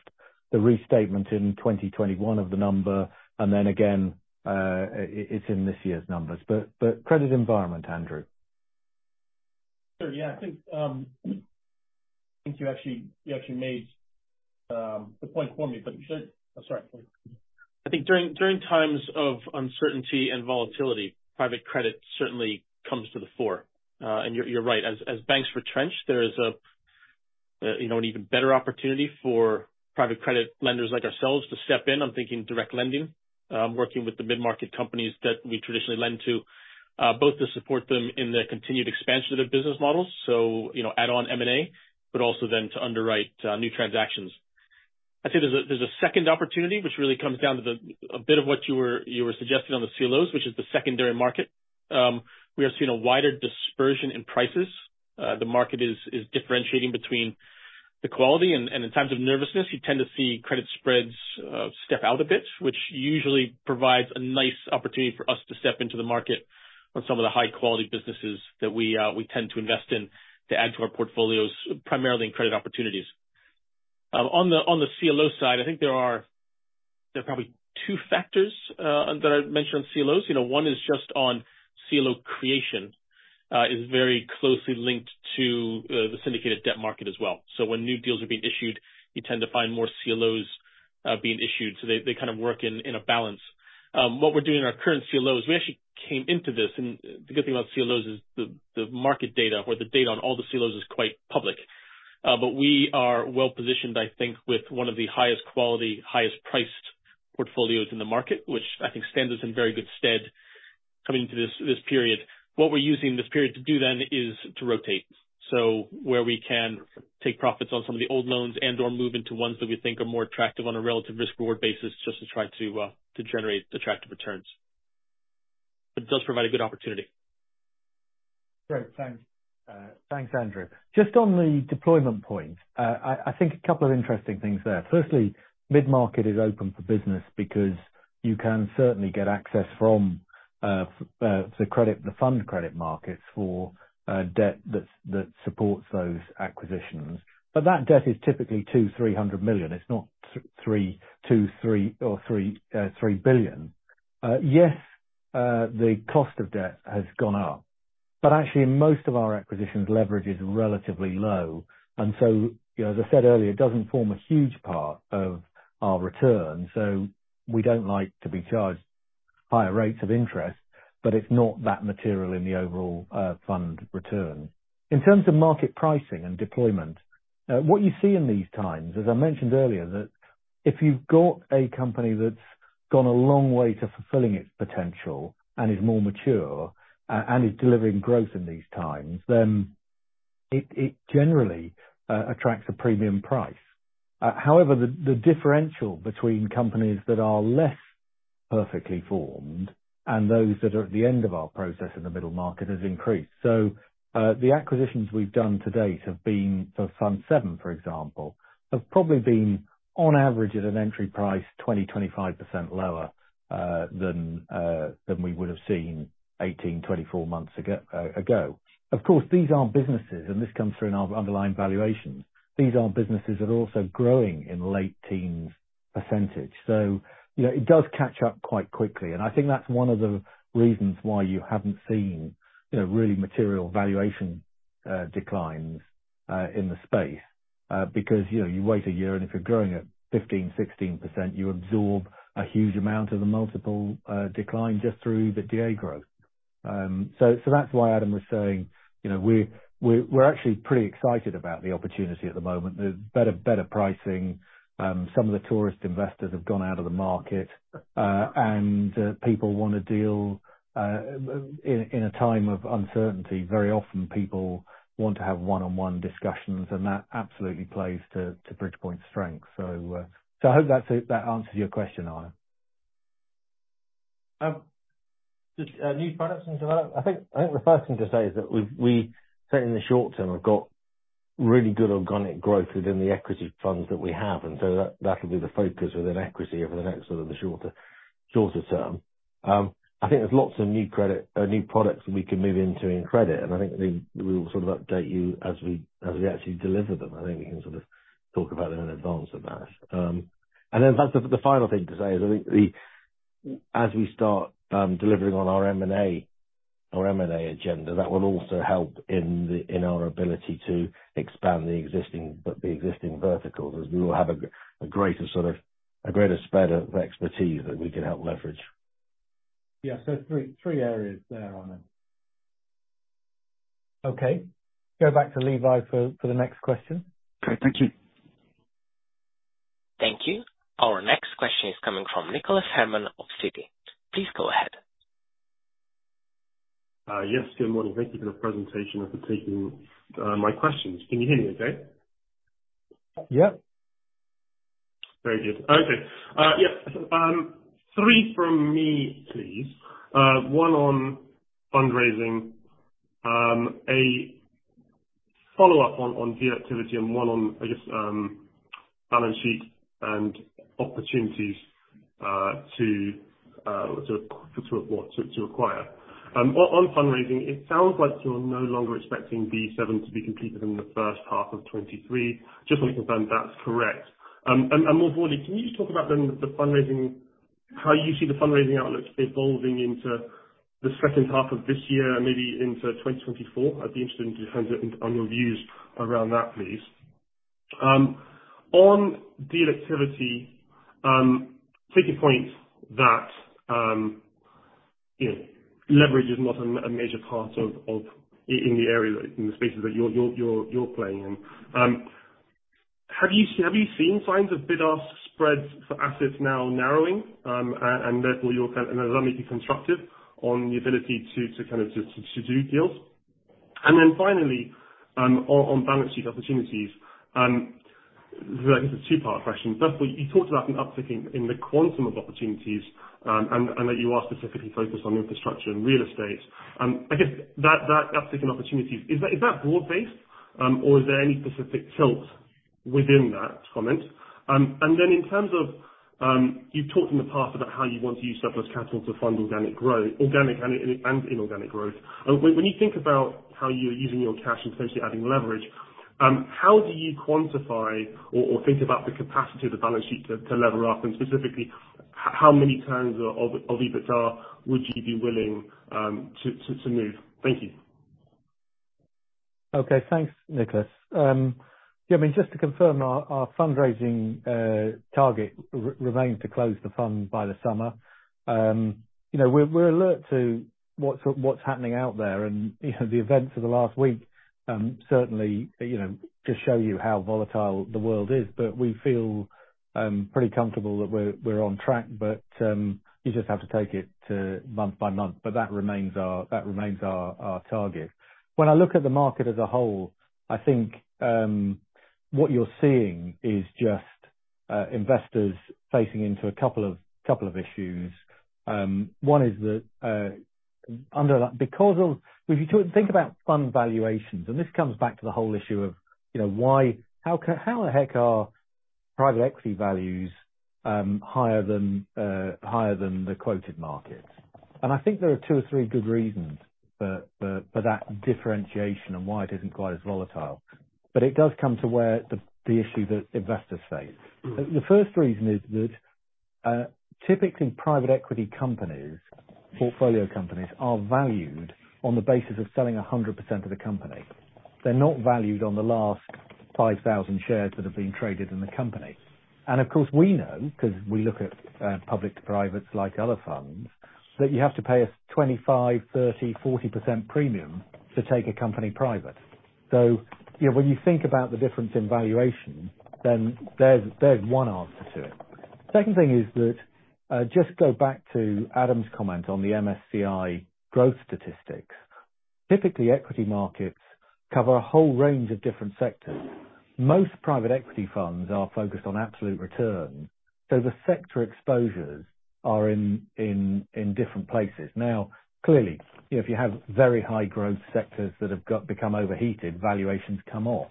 the restatement in 2021 of the number. Again, it's in this year's numbers. Credit environment, Andrew. Sure. Yeah. I think you actually made the point for me, you said... Oh, sorry. I think during times of uncertainty and volatility, private credit certainly comes to the fore. You're right. As banks retrench, there is, you know, an even better opportunity for private credit lenders like ourselves to step in. I'm thinking direct lending. Working with the mid-market companies that we traditionally lend to, both to support them in their continued expansion of their business models, so, you know, add on M&A, also then to underwrite new transactions. I'd say there's a second opportunity, which really comes down to the bit of what you were suggesting on the CLOs, which is the secondary market. We are seeing a wider dispersion in prices. The market is differentiating between the quality. In times of nervousness, you tend to see credit spreads step out a bit, which usually provides a nice opportunity for us to step into the market on some of the high quality businesses that we tend to invest in to add to our portfolios, primarily in credit opportunities. On the CLO side, I think there are probably two factors that I'd mention on CLOs. You know, one is just on CLO creation is very closely linked to the syndicated debt market as well. When new deals are being issued, you tend to find more CLOs being issued. They kind of work in a balance. What we're doing in our current CLOs, we actually came into this, the good thing about CLOs is the market data or the data on all the CLOs is quite public. We are well positioned, I think, with one of the highest quality, highest priced portfolios in the market, which I think stands us in very good stead coming into this period. What we're using this period to do is to rotate. Where we can take profits on some of the old loans and/or move into ones that we think are more attractive on a relative risk reward basis, just to try to generate attractive returns. It does provide a good opportunity. Great. Thanks, Andrew. Just on the deployment point, I think a couple of interesting things there. Firstly, mid-market is open for business because you can certainly get access from the credit, the fund credit markets for debt that supports those acquisitions. That debt is typically 200 million, 300 million. It's not 2 billion or 3 billion. Yes, the cost of debt has gone up, but actually most of our acquisitions leverage is relatively low. So, you know, as I said earlier, it doesn't form a huge part of our return. We don't like to be charged higher rates of interest, but it's not that material in the overall fund return. In terms of market pricing and deployment, what you see in these times, as I mentioned earlier, that if you've got a company that's gone a long way to fulfilling its potential and is more mature and is delivering growth in these times, then it generally attracts a premium price. However, the differential between companies that are less perfectly formed and those that are at the end of our process in the middle market has increased. The acquisitions we've done to date have been, for Fund VII, for example, have probably been on average at an entry price 20%-25% lower than we would have seen 18-24 months ago. Of course, these aren't businesses, and this comes through in our underlying valuations. These aren't businesses that are also growing in late teens percentage. you know, it does catch up quite quickly. I think that's one of the reasons why you haven't seen, you know, really material valuation, declines in the space. because, you know, you wait a year, and if you're growing at 15%, 16%, you absorb a huge amount of the multiple, decline just through the DA growth. that's why Adam was saying, you know, we're, we're actually pretty excited about the opportunity at the moment. There's better pricing. some of the tourist investors have gone out of the market, and people wanna deal in a time of uncertainty, very often people want to have one-on-one discussions, and that absolutely plays to Bridgepoint's strength. I hope that answers your question, Arnaud. New products in development. I think the first thing to say is that we certainly in the short term have got really good organic growth within the equity funds that we have, and so that'll be the focus within equity over the next sort of the shorter term. I think there's lots of new credit, new products we can move into in credit, and I think we will sort of update you as we actually deliver them. I think we can sort of talk about them in advance of that. And then that's the final thing to say is I think the... As we start, delivering on our M&A, our M&A agenda, that will also help in the, in our ability to expand the existing, the existing verticals, as we will have a greater sort of, a greater spread of expertise that we can help leverage. Yeah. Three areas there, Arnaud. Okay. Go back to Levi for the next question. Great. Thank you. Thank you. Our next question is coming from Nicholas Herman of Citi. Please go ahead. Yes. Good morning. Thank you for the presentation and for taking my questions. Can you hear me okay? Yeah. Very good. Okay. Yeah. Three from me please. One on fundraising, a follow-up on deal activity, and one on, I guess, balance sheet and opportunities to acquire. On fundraising, it sounds like you're no longer expecting BE VII to be completed in the first half of 2023. Just to confirm if that's correct. More broadly, can you just talk about then the fundraising, how you see the fundraising outlook evolving into the second half of this year and maybe into 2024? I'd be interested in your thoughts on your views around that, please. On deal activity, taking point that, you know, leverage is not a major part of, in the area, in the spaces that you're playing in. Have you seen signs of bid-ask spreads for assets now narrowing? Let me be constructive on the ability to do deals. Finally, on balance sheet opportunities, this is a two-part question. First of all, you talked about an uptick in the quantum of opportunities, and that you are specifically focused on infrastructure and real estate. I guess that uptick in opportunities, is that broad-based? Or is there any specific tilt within that comment? In terms of, you've talked in the past about how you want to use surplus capital to fund organic growth, organic and inorganic growth. When you think about how you're using your cash and potentially adding leverage, how do you quantify or think about the capacity of the balance sheet to level up? Specifically, how many times of EBITDA would you be willing to move? Thank you. Okay. Thanks, Nicholas. I mean, just to confirm our fundraising target remains to close the fund by the summer. You know, we're alert to what's happening out there. You know, the events of the last week certainly, you know, just show you how volatile the world is. We feel pretty comfortable that we're on track. You just have to take it to month by month. That remains our target. When I look at the market as a whole, I think what you're seeing is just investors facing into a couple of issues. One is that because of... If you think about fund valuations, this comes back to the whole issue of, you know, how the heck are private equity values higher than the quoted markets? I think there are two or three good reasons for that differentiation and why it isn't quite as volatile. It does come to where the issue that investors face. The first reason is that typically private equity companies, portfolio companies are valued on the basis of selling 100% of the company. They're not valued on the last 5,000 shares that have been traded in the company. Of course, we know, 'cause we look at Public-to-privates like other funds, that you have to pay a 25%, 30%, 40% premium to take a company private. You know, when you think about the difference in valuation, then there's one answer to it. Second thing is that, just go back to Adam's comment on the MSCI growth statistics. Typically, equity markets cover a whole range of different sectors. Most private equity funds are focused on absolute return. The sector exposures are in different places. Clearly, you know, if you have very high growth sectors that have become overheated, valuations come off.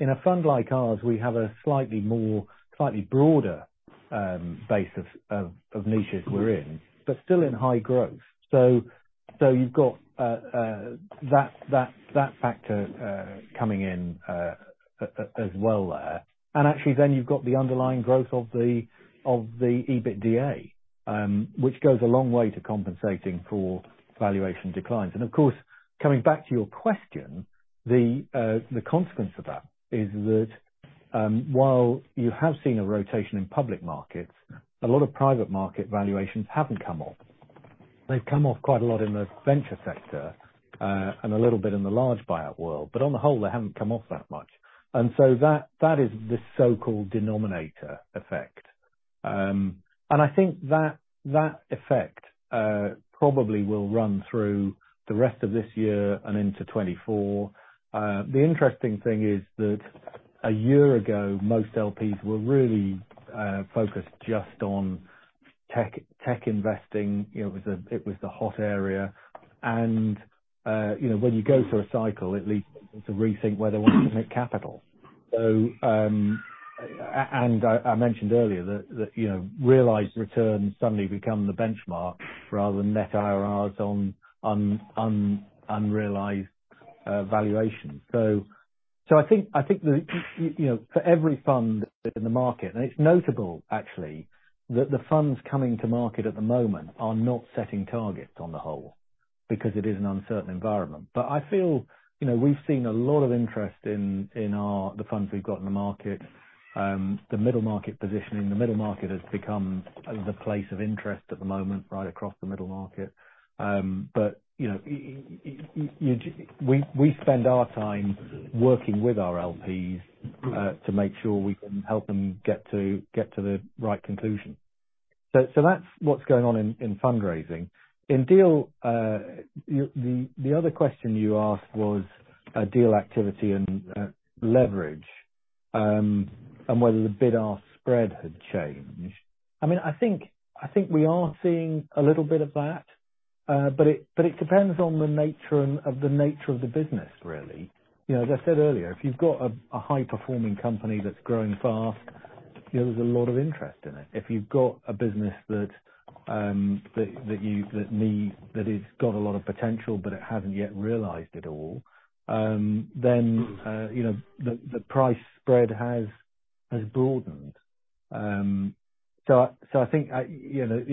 In a fund like ours, we have a slightly more, slightly broader base of niches we're in, but still in high growth. You've got that factor coming in as well there. Actually, then you've got the underlying growth of the EBITDA, which goes a long way to compensating for valuation declines. Of course, coming back to your question, the consequence of that is that while you have seen a rotation in public markets, a lot of private market valuations haven't come off. They've come off quite a lot in the venture sector, and a little bit in the large buyout world. On the whole, they haven't come off that much. That, that is the so-called denominator effect. I think that effect probably will run through the rest of this year and into 2024. The interesting thing is that a year ago, most LPs were really focused just on tech investing. It was the hot area. You know, when you go through a cycle, it leads to rethink where they want to make capital. I mentioned earlier that, you know, realized returns suddenly become the benchmark rather than net IRRs on unrealized valuation. I think the, you know, for every fund in the market, and it's notable actually, that the funds coming to market at the moment are not setting targets on the whole because it is an uncertain environment. I feel, you know, we've seen a lot of interest in our... the funds we've got in the market. The middle market positioning. The middle market has become the place of interest at the moment right across the middle market. But, you know, you, we spend our time working with our LPs to make sure we can help them get to the right conclusion. That's what's going on in fundraising. In deal, the other question you asked was deal activity and leverage, and whether the bid-ask spread had changed. I mean, I think we are seeing a little bit of that. It depends on the nature and of the nature of the business, really. You know, as I said earlier, if you've got a high-performing company that's growing fast, there's a lot of interest in it. If you've got a business that has got a lot of potential, but it hasn't yet realized at all, then, you know, the price spread has broadened. So I think, you know,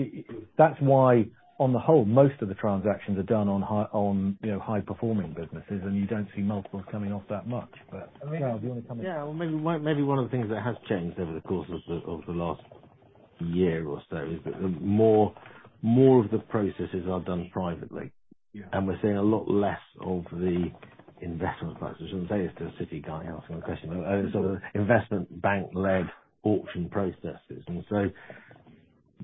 that's why on the whole, most of the transactions are done on, you know, high-performing businesses, and you don't see multiples coming off that much. Charles, do you wanna comment? Yeah. Well, maybe one of the things that has changed over the course of the last year or so is that more of the processes are done privately. Yeah. We're seeing a lot less of the investment banks. I was gonna say, if it's a Citi guy asking a question. Sort of investment bank-led auction processes.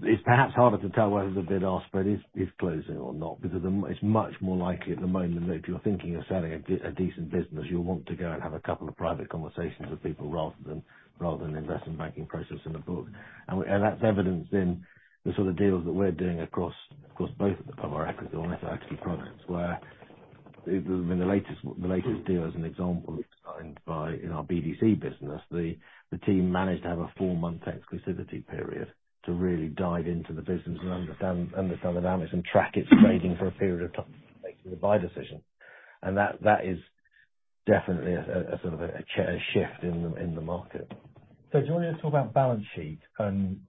It's perhaps harder to tell whether the bid-ask spread is closing or not because it's much more likely at the moment that if you're thinking of selling a decent business, you'll want to go and have a couple of private conversations with people rather than an investment banking process in a book. That's evidenced in the sort of deals that we're doing across both of our equity and asset products, where the latest deal as an example, signed by in our BDC business. The team managed to have a four-month exclusivity period to really dive into the business and understand the dynamics and track its trading for a period of time to make a buy decision. That is definitely a sort of a shift in the market. Do you want me to talk about balance sheet and,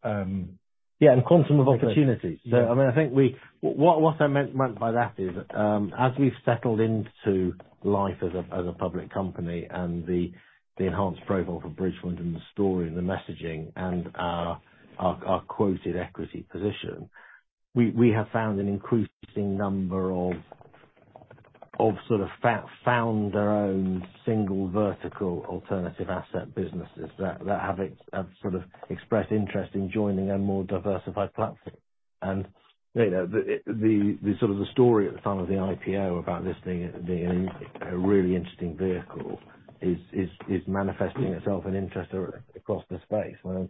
Yeah, and quantum of opportunities? I mean, I think we... What I meant by that is, as we've settled into life as a public company and the enhanced profile for Bridgepoint and the story and the messaging and our quoted equity position. We have found an increasing number of sort of founder-owned, single vertical alternative asset businesses that have expressed interest in joining a more diversified platform. You know, the sort of the story at the time of the IPO about this being a really interesting vehicle is manifesting itself in interest across the space. I mean,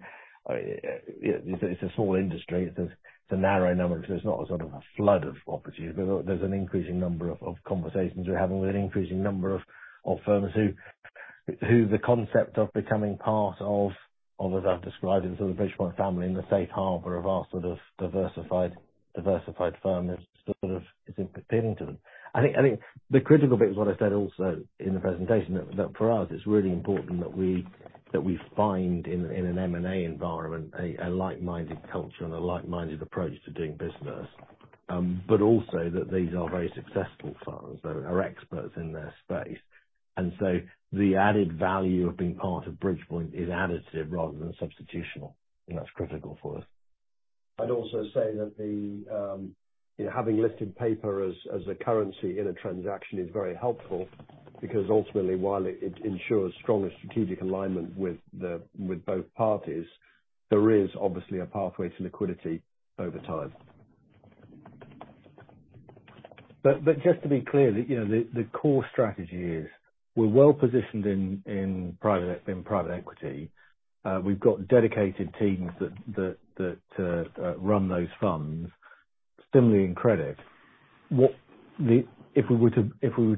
it's a small industry. It's a narrow number, so there's not a sort of a flood of opportunities. There's an increasing number of conversations we're having with an increasing number of firms who the concept of becoming part of, as I've described it, sort of Bridgepoint family in the safe harbor of our sort of diversified firm is appealing to them. I think the critical bit is what I said also in the presentation, that for us it's really important that we find in an M&A environment a like-minded culture and a like-minded approach to doing business. But also that these are very successful firms that are experts in their space. The added value of being part of Bridgepoint is additive rather than substitutional, and that's critical for us. I'd also say that the having listed paper as a currency in a transaction is very helpful because ultimately, while it ensures stronger strategic alignment with the, with both parties, there is obviously a pathway to liquidity over time. Just to be clear, you know, the core strategy is we're well positioned in private equity. We've got dedicated teams that to run those funds, similarly in credit. If we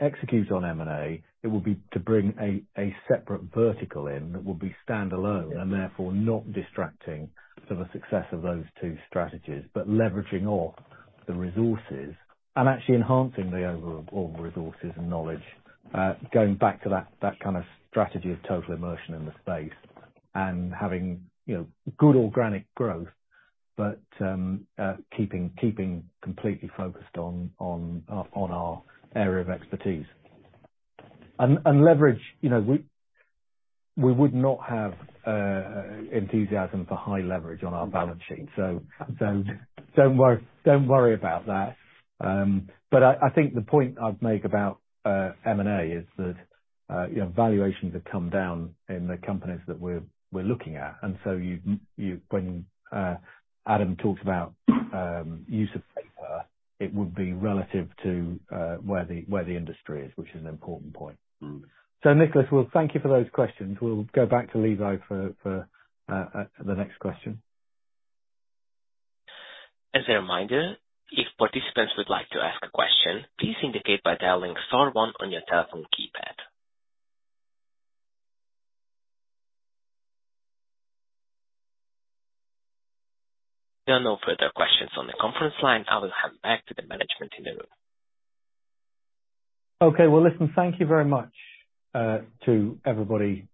execute on M&A, it would be to bring a separate vertical in that would be stand-alone and therefore not distracting to the success of those two strategies, but leveraging off the resources and actually enhancing the overall resources and knowledge. Going back to that kind of strategy of total immersion in the space and having, you know, good organic growth, but keeping completely focused on our area of expertise. Leverage, you know, we would not have enthusiasm for high leverage on our balance sheet. Don't worry about that. I think the point I'd make about M&A is that, you know, valuations have come down in the companies that we're looking at. When Adam talks about use of paper, it would be relative to where the industry is, which is an important point. Nicholas, well, thank you for those questions. We'll go back to Levi for the next question. As a reminder, if participants would like to ask a question, please indicate by dialing star one on your telephone keypad. There are no further questions on the conference line. I will hand back to the management in the room. Okay. Well, listen, thank you very much to everybody.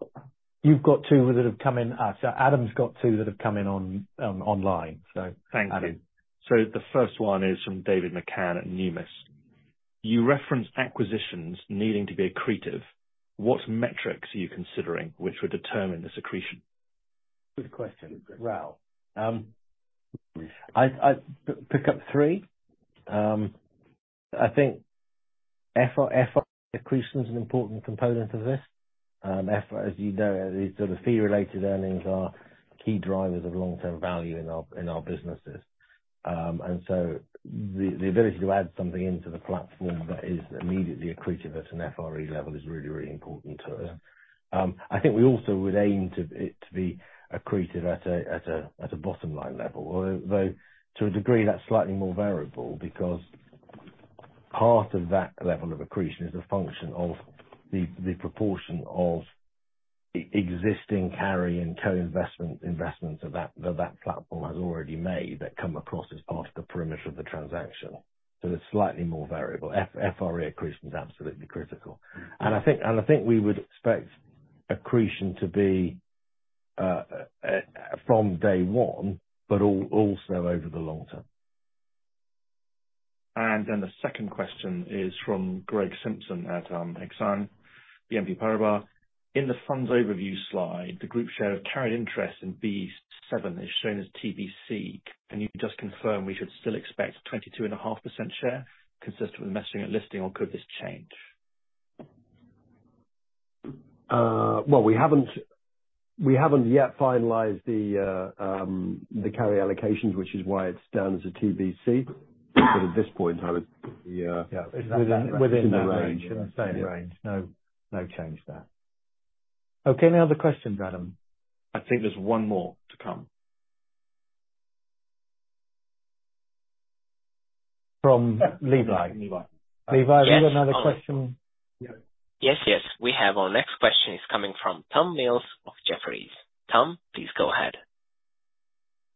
You've got two that have come in. Adam's got two that have come in on online. Thank you. Adam. The first one is from David McCann at Numis. You referenced acquisitions needing to be accretive. What metrics are you considering which would determine this accretion? Good question. Raoul. I'd pick up three. I think Accretion is an important component of this. As you know, the sort of fee-related earnings are key drivers of long-term value in our businesses. The ability to add something into the platform that is immediately accretive at an FRE level is really important to us. I think we also would aim to it to be accretive at a bottom line level. Although to a degree that's slightly more variable because part of that level of accretion is a function of the proportion of existing carry and co-investment investments of that platform has already made that come across as part of the perimeter of the transaction. It's slightly more variable. FRE accretion is absolutely critical. I think we would expect accretion to be from day one, but also over the long term. The second question is from Greg Simpson at Exane BNP Paribas. In the funds overview slide, the group share of carried interest in BE VII is shown as TBC. Can you just confirm we should still expect 22.5% share consistent with messaging and listing, or could this change? well, we haven't yet finalized the carry allocations, which is why it's down as a TBC. At this point I would, yeah. Yeah. Within that range. Within the same range. Yeah. No, no change there. Any other questions, Adam? I think there's one more to come. From? Levi. Levi. Levi, do you have another question? Yes. We have our next question is coming from Tom Mills of Jefferies. Tom, please go ahead.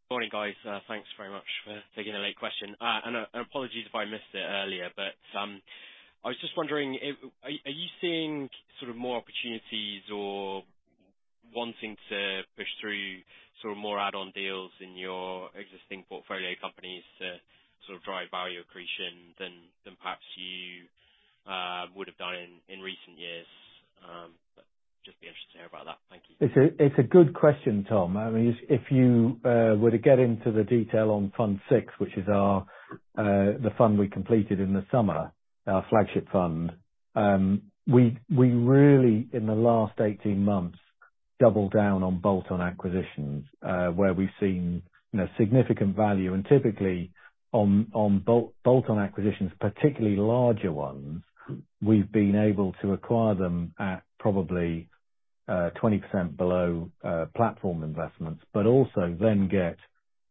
Morning, guys. Thanks very much for taking a late question. Apologies if I missed it earlier, but I was just wondering if... Are you seeing sort of more opportunities or wanting to push through sort of more add-on deals in your existing portfolio companies to sort of drive value accretion than perhaps you would have done in recent years? Just be interested to hear about that. Thank you. It's a good question, Tom. I mean, if you were to get into the detail on Fund VI, which is our the fund we completed in the summer, our flagship fund, we really in the last 18 months, doubled down on bolt-on acquisitions, where we've seen, you know, significant value. Typically on bolt-on acquisitions, particularly larger ones, we've been able to acquire them at probably 20% below platform investments. Also then get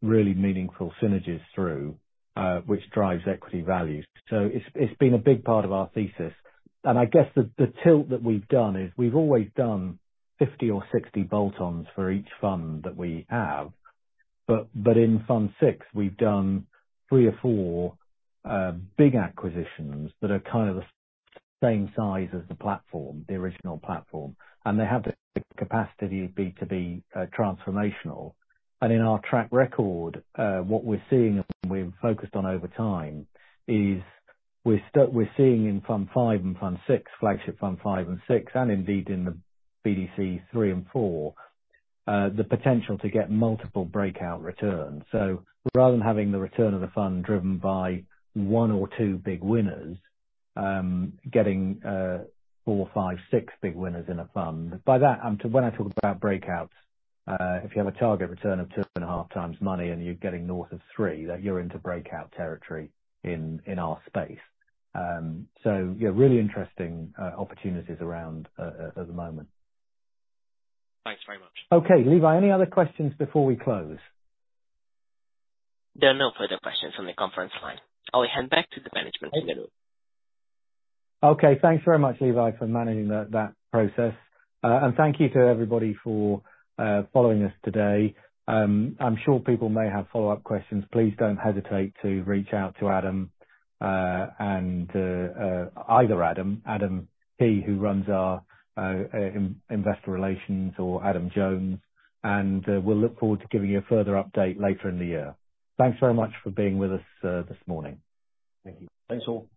really meaningful synergies through which drives equity value. It's been a big part of our thesis. I guess the tilt that we've done is we've always done 50 or 60 bolt-ons for each fund that we have, but in Fund VI, we've done three or four big acquisitions that are kind of the same size as the platform, the original platform, and they have the capacity to be transformational. In our track record, what we're seeing and we've focused on over time is we're seeing in Fund V and Fund VI, flagship Fund V and VI, and indeed in the BDC III and IV, the potential to get multiple breakout returns. Rather than having the return of the fund driven by one ortwo big winners, getting four, five, six big winners in a fund. By that, when I talk about breakouts, if you have a target return of two and a half times money and you're getting north of three, then you're into breakout territory in our space. Yeah, really interesting, opportunities around at the moment. Thanks very much. Okay. Levi, any other questions before we close? There are no further questions on the conference line. I'll hand back to the management in the room. much, Levi, for managing that process. Thank you to everybody for following us today. I'm sure people may have follow-up questions. Please don't hesitate to reach out to Adam, either Adam Pollock, who runs our Investor Relations, or Adam Jones. We'll look forward to giving you a further update later in the year. Thanks very much for being with us this morning. Thank you. Thanks all.